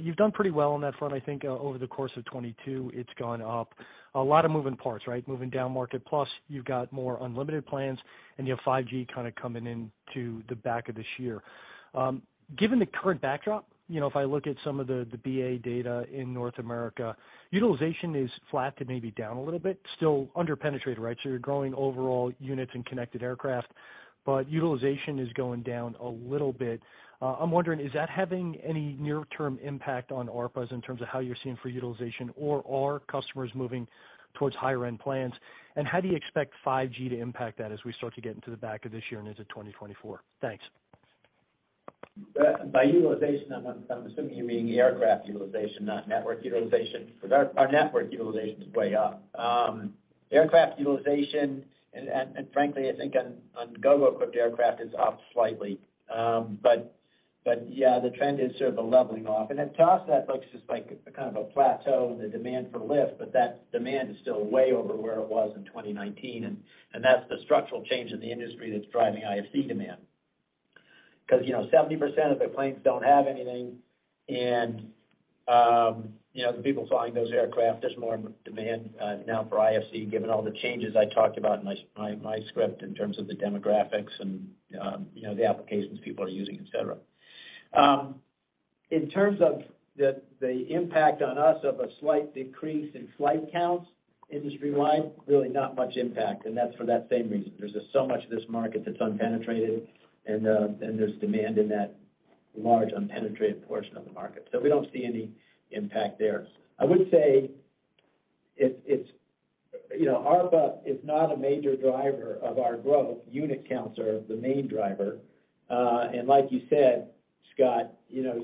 you've done pretty well on that front. I think, over the course of 2022, it's gone up. A lot of moving parts, right? Moving down market, plus you've got more unlimited plans, and you have 5G kind of coming in to the back of this year. Given the current backdrop, you know, if I look at some of the BA data in North America, utilization is flat to maybe down a little bit, still under-penetrated, right? You're growing overall units in connected aircraft, but utilization is going down a little bit. I'm wondering, is that having any near-term impact on ARPAs in terms of how you're seeing for utilization, or are customers moving towards higher-end plans? How do you expect 5G to impact that as we start to get into the back of this year and into 2024? Thanks. Well, by utilization, I'm assuming you mean aircraft utilization, not network utilization, because our network utilization is way up. aircraft utilization and frankly, I think on Gogo-equipped aircraft is up slightly. But yeah, the trend is sort of a leveling off. To offset, looks just like a kind of a plateau in the demand for lift, but that demand is still way over where it was in 2019, and that's the structural change in the industry that's driving IFC demand. You know, 70% of the planes don't have anything, and, you know, the people flying those aircraft, there's more demand now for IFC, given all the changes I talked about in my script in terms of the demographics and, you know, the applications people are using, et cetera. In terms of the impact on us of a slight decrease in flight counts industry-wide, really not much impact, and that's for that same reason. There's just so much of this market that's unpenetrated and there's demand in that large unpenetrated portion of the market. We don't see any impact there. I would say, you know, ARPA is not a major driver of our growth. Unit counts are the main driver. Like you said, Scott, you know,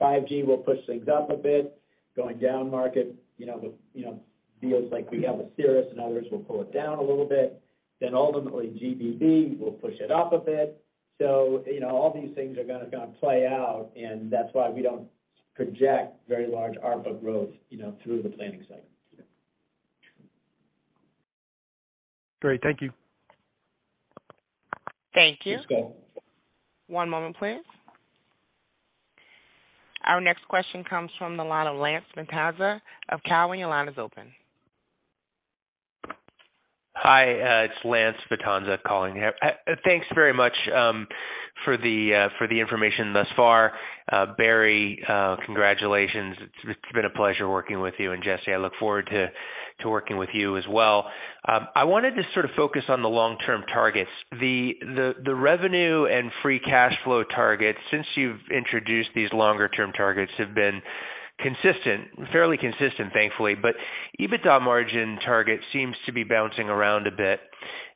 5G will push things up a bit, going down market, you know, the, you know, deals like we have with Cirrus and others will pull it down a little bit, ultimately GBB will push it up a bit. You know, all these things are gonna kind of play out, and that's why we don't project very large ARPA growth, you know, through the planning cycle. Great. Thank you. Thank you. Thanks, Scott. One moment, please. Our next question comes from the line of Lance Vitanza of Cowen. Your line is open. Hi, it's Lance Vitanza calling here. Thanks very much for the information thus far. Barry, congratulations, it's been a pleasure working with you, and Jessi, I look forward to working with you as well. I wanted to sort of focus on the long-term targets. The revenue and free cash flow targets, since you've introduced these longer-term targets have been consistent, fairly consistent, thankfully. EBITDA margin target seems to be bouncing around a bit.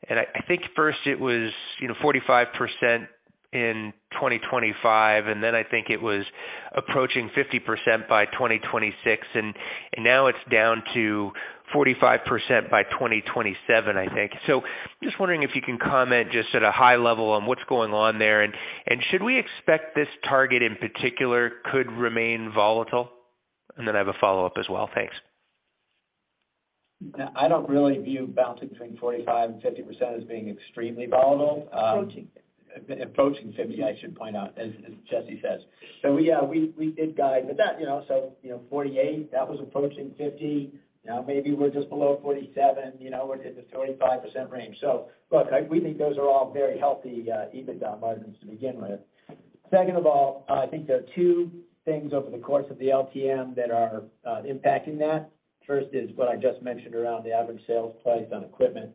I think first it was, you know, 45% in 2025, and then I think it was approaching 50% by 2026, and now it's down to 45% by 2027, I think. Just wondering if you can comment just at a high level on what's going on there. Should we expect this target in particular could remain volatile? I have a follow-up as well. Thanks. Yeah. I don't really view bouncing between 45% and 50% as being extremely volatile. Approaching 50%. Approaching 50%, I should point out, as Jessi says. Yeah, we did guide with that, you know, so, you know, 48%, that was approaching 50%. Now maybe we're just below 47%, you know, we're in the 45% range. Look, we think those are all very healthy EBITDA margins to begin with. Second of all, I think there are two things over the course of the LTM that are impacting that. First is what I just mentioned around the average sales price on equipment.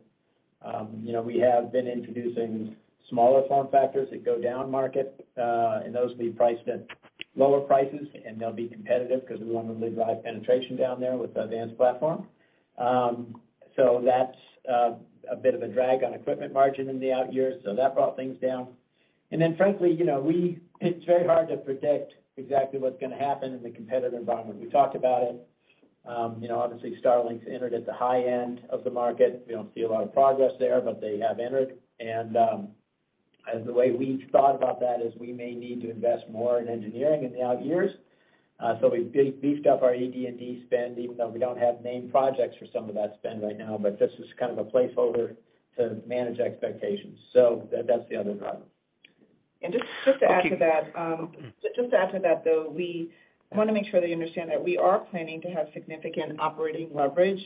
You know, we have been introducing smaller form factors that go down market, and those will be priced at lower prices, and they'll be competitive because we want to drive penetration down there with AVANCE platform. That's a bit of a drag on equipment margin in the out years, that brought things down. Frankly, you know, it's very hard to predict exactly what's gonna happen in the competitive environment. We talked about it. You know, obviously Starlink's entered at the high end of the market. We don't see a lot of progress there, but they have entered. As the way we've thought about that is we may need to invest more in engineering in the out years. We beefed up our ED&D spend, even though we don't have main projects for some of that spend right now, but this is kind of a placeholder to manage expectations. That's the other driver. Just to add to that, though, we wanna make sure that you understand that we are planning to have significant operating leverage,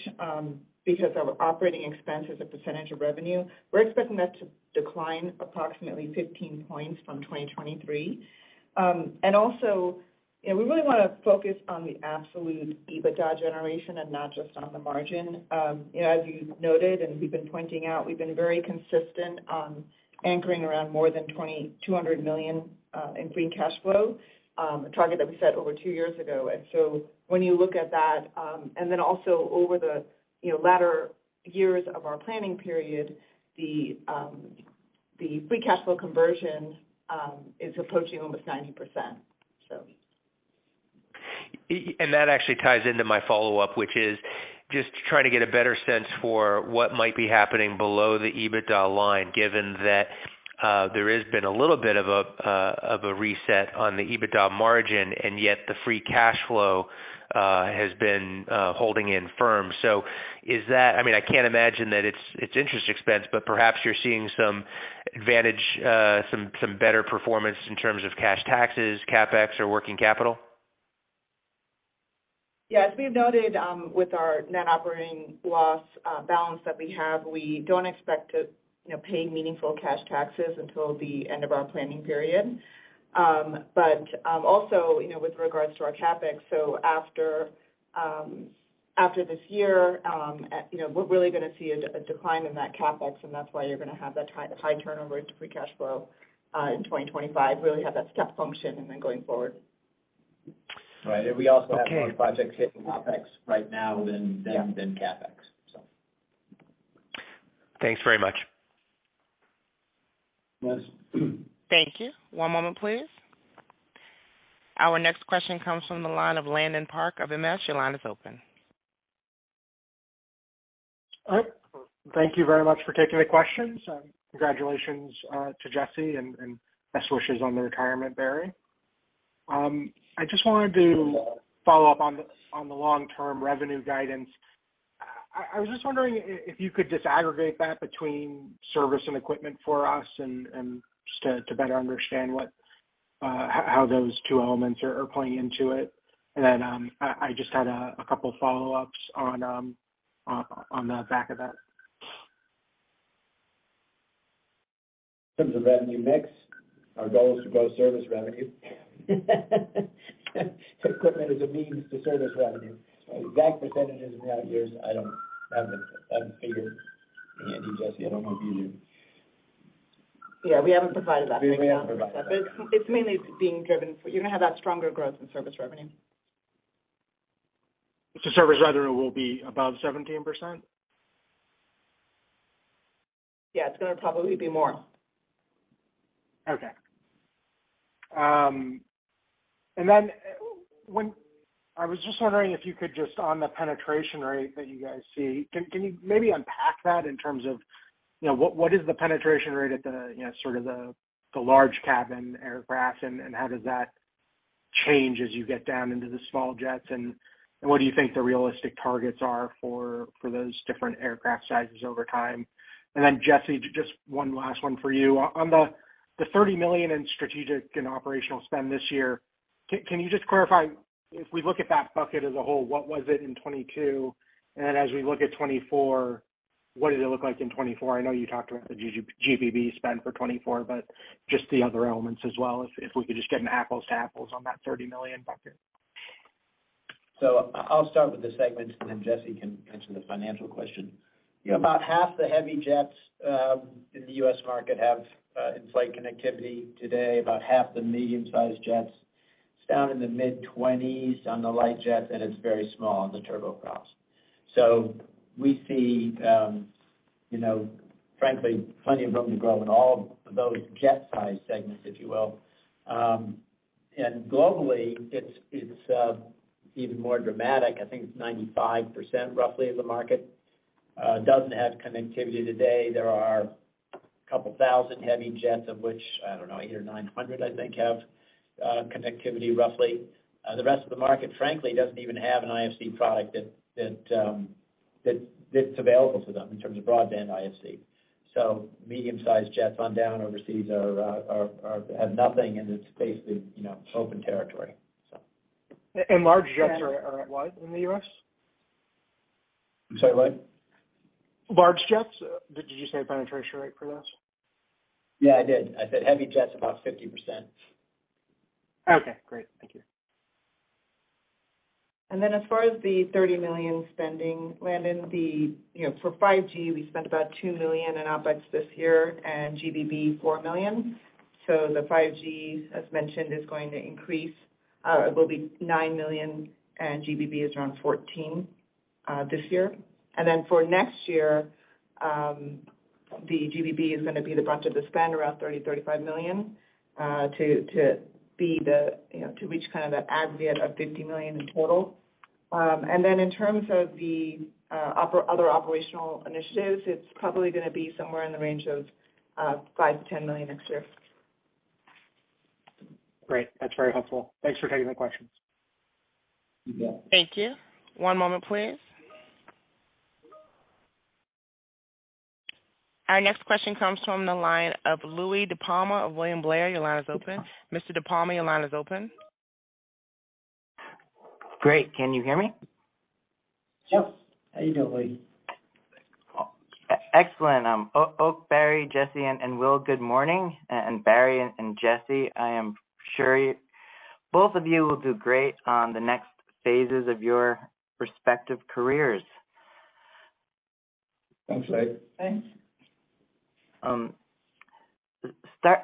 because our operating expense as a percentage of revenue, we're expecting that to decline approximately 15 points from 2023. You know, we really wanna focus on the absolute EBITDA generation and not just on the margin. You know, as you noted and we've been pointing out, we've been very consistent on anchoring around more than $200 million in free cash flow, a target that we set over 2 years ago. When you look at that, and then also over the, you know, latter years of our planning period, the free cash flow conversion is approaching almost 90%. That actually ties into my follow-up, which is just trying to get a better sense for what might be happening below the EBITDA line, given that there has been a little bit of a reset on the EBITDA margin, and yet the free cash flow has been holding in firm. Is that... I mean, I can't imagine that it's interest expense, but perhaps you're seeing some advantage, some better performance in terms of cash taxes, CapEx or working capital? Yeah. As we've noted, with our net operating loss balance that we have, we don't expect to, you know, pay meaningful cash taxes until the end of our planning period. Also, you know, with regards to our CapEx, after after this year, you know, we're really gonna see a decline in that CapEx, and that's why you're gonna have that high turnover into free cash flow, in 2025. Really have that step function and then going forward. Right. We also have more projects hitting OpEx right now than CapEx. Thanks very much. Thank you. One moment, please. Our next question comes from the line of Landon Park of MS. Your line is open. All right. Thank you very much for taking the questions, and congratulations, to Jessi and best wishes on the retirement, Barry. I just wanted to follow up on the long-term revenue guidance. I was just wondering if you could disaggregate that between service and equipment for us and just to better understand what how those two elements are playing into it. Then I just had a couple follow-ups on the back of that. In terms of revenue mix, our goal is to grow service revenue. Equipment is a means to service revenue. Exact percentages in the out years, I haven't figured. You, Jessi, I don't know if you do. Yeah, we haven't provided that. We haven't provided that. It's mainly being driven. You're gonna have that stronger growth in service revenue. Service revenue will be above 17%? Yeah, it's gonna probably be more. Okay. I was just wondering if you could just, on the penetration rate that you guys see, can you maybe unpack that in terms of, you know, what is the penetration rate at the, you know, sort of the large cabin aircraft, and how does that change as you get down into the small jets? What do you think the realistic targets are for those different aircraft sizes over time? Then Jessi, just one last one for you. On the $30 million in strategic and operational spend this year, can you just clarify, if we look at that bucket as a whole, what was it in 2022? Then as we look at 2024, what does it look like in 2024? I know you talked about the GBB spend for 2024, but just the other elements as well, if we could just get an apples to apples on that $30 million bucket. I'll start with the segments, and then Jessi can answer the financial question. You know, about half the heavy jets in the U.S. market have in-flight connectivity today, about half the medium-sized jets. It's down in the mid-20s on the light jets, and it's very small on the turboprops. We see, you know, frankly, plenty of room to grow in all of those jet-sized segments, if you will. Globally, it's even more dramatic. I think it's 95% roughly of the market doesn't have connectivity today. There are a couple thousand heavy jets of which, I don't know, 800 or 900, I think, have connectivity roughly. The rest of the market, frankly, doesn't even have an IFC product that's available to them in terms of broadband IFC. Medium-sized jets on down overseas have nothing, and it's basically, you know, open territory, so. Large jets are what in the U.S.? I'm sorry, what? Large jets, did you say penetration rate for those? Yeah, I did. I said heavy jets, about 50%. Okay, great. Thank you. As far as the $30 million spending, Landon, the, you know, for 5G, we spent about $2 million in OpEx this year and GBB $4 million. The 5G, as mentioned, is going to increase. It will be $9 million, and GBB is around $14 million this year. For next year, the GBB is gonna be the bulk of the spend around $30 million-$35 million to be the, you know, to reach kind of that aggregate of $50 million in total. In terms of the other operational initiatives, it's probably gonna be somewhere in the range of $5 million-$10 million next year. Great. That's very helpful. Thanks for taking the questions. You bet. Thank you. One moment, please. Our next question comes from the line of Louie DiPalma of William Blair. Your line is open. Mr. DiPalma, your line is open. Great. Can you hear me? Yep. How you doing, Louie? Excellent. Oak, Barry, Jessi, and Will, good morning. Barry and Jessi, I am sure both of you will do great on the next phases of your respective careers. Thanks, Louie. Thanks.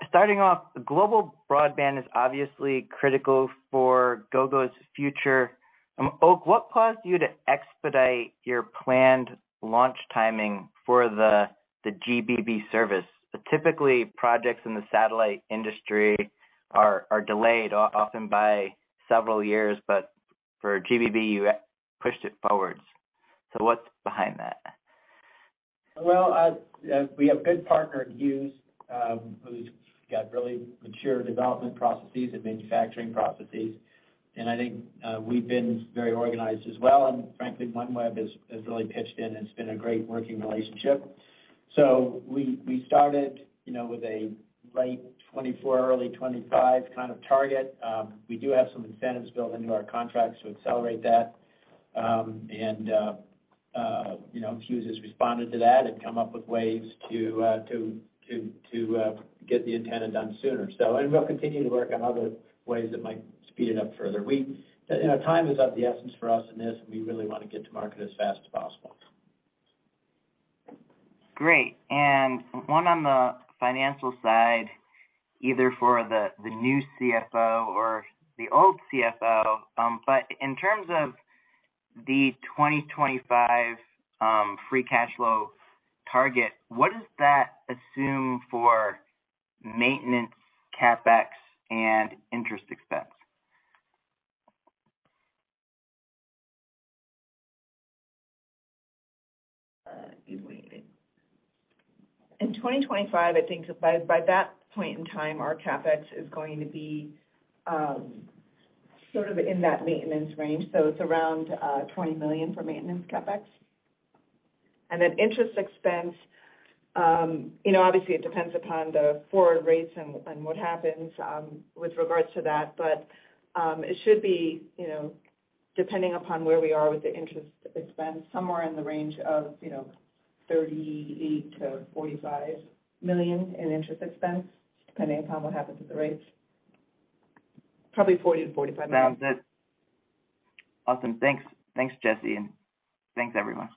Starting off, global broadband is obviously critical for Gogo's future. Oak, what caused you to expedite your planned launch timing for the GBB service? Typically, projects in the satellite industry are delayed often by several years, but for GBB, you pushed it forwards. What's behind that? Well, we have a good partner in Hughes, who's got really mature development processes and manufacturing processes. I think, we've been very organized as well. Frankly, OneWeb has really pitched in, and it's been a great working relationship. We started, you know, with a late 2024, early 2025 kind of target. We do have some incentives built into our contracts to accelerate that. And, you know, Hughes has responded to that and come up with ways to get the antenna done sooner. And we'll continue to work on other ways that might speed it up further. You know, time is of the essence for us in this. We really wanna get to market as fast as possible. Great. One on the financial side, either for the new CFO or the old CFO. In terms of the 2025 free cash flow target, what does that assume for maintenance CapEx and interest expense? In waiting. In 2025, I think by that point in time, our CapEx is going to be sort of in that maintenance range, so it's around $20 million for maintenance CapEx. Interest expense, you know, obviously it depends upon the forward rates and what happens with regards to that. It should be, you know, depending upon where we are with the interest expense, somewhere in the range of, you know, $30 million-$45 million in interest expense, depending upon what happens with the rates. Probably $40 million-$45 million. Sounds good. Awesome. Thanks. Thanks, Jessi. Thanks, everyone.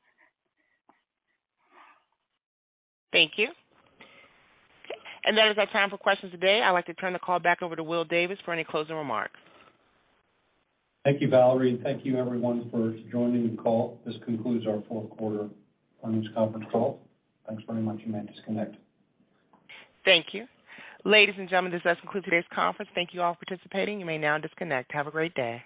Thank you. That is our time for questions today. I'd like to turn the call back over to Will Davis for any closing remarks. Thank you, Valerie. Thank you everyone for joining the call. This concludes our fourth quarter earnings conference call. Thanks very much. You may disconnect. Thank you. Ladies and gentlemen, this does conclude today's conference. Thank you all for participating. You may now disconnect. Have a great day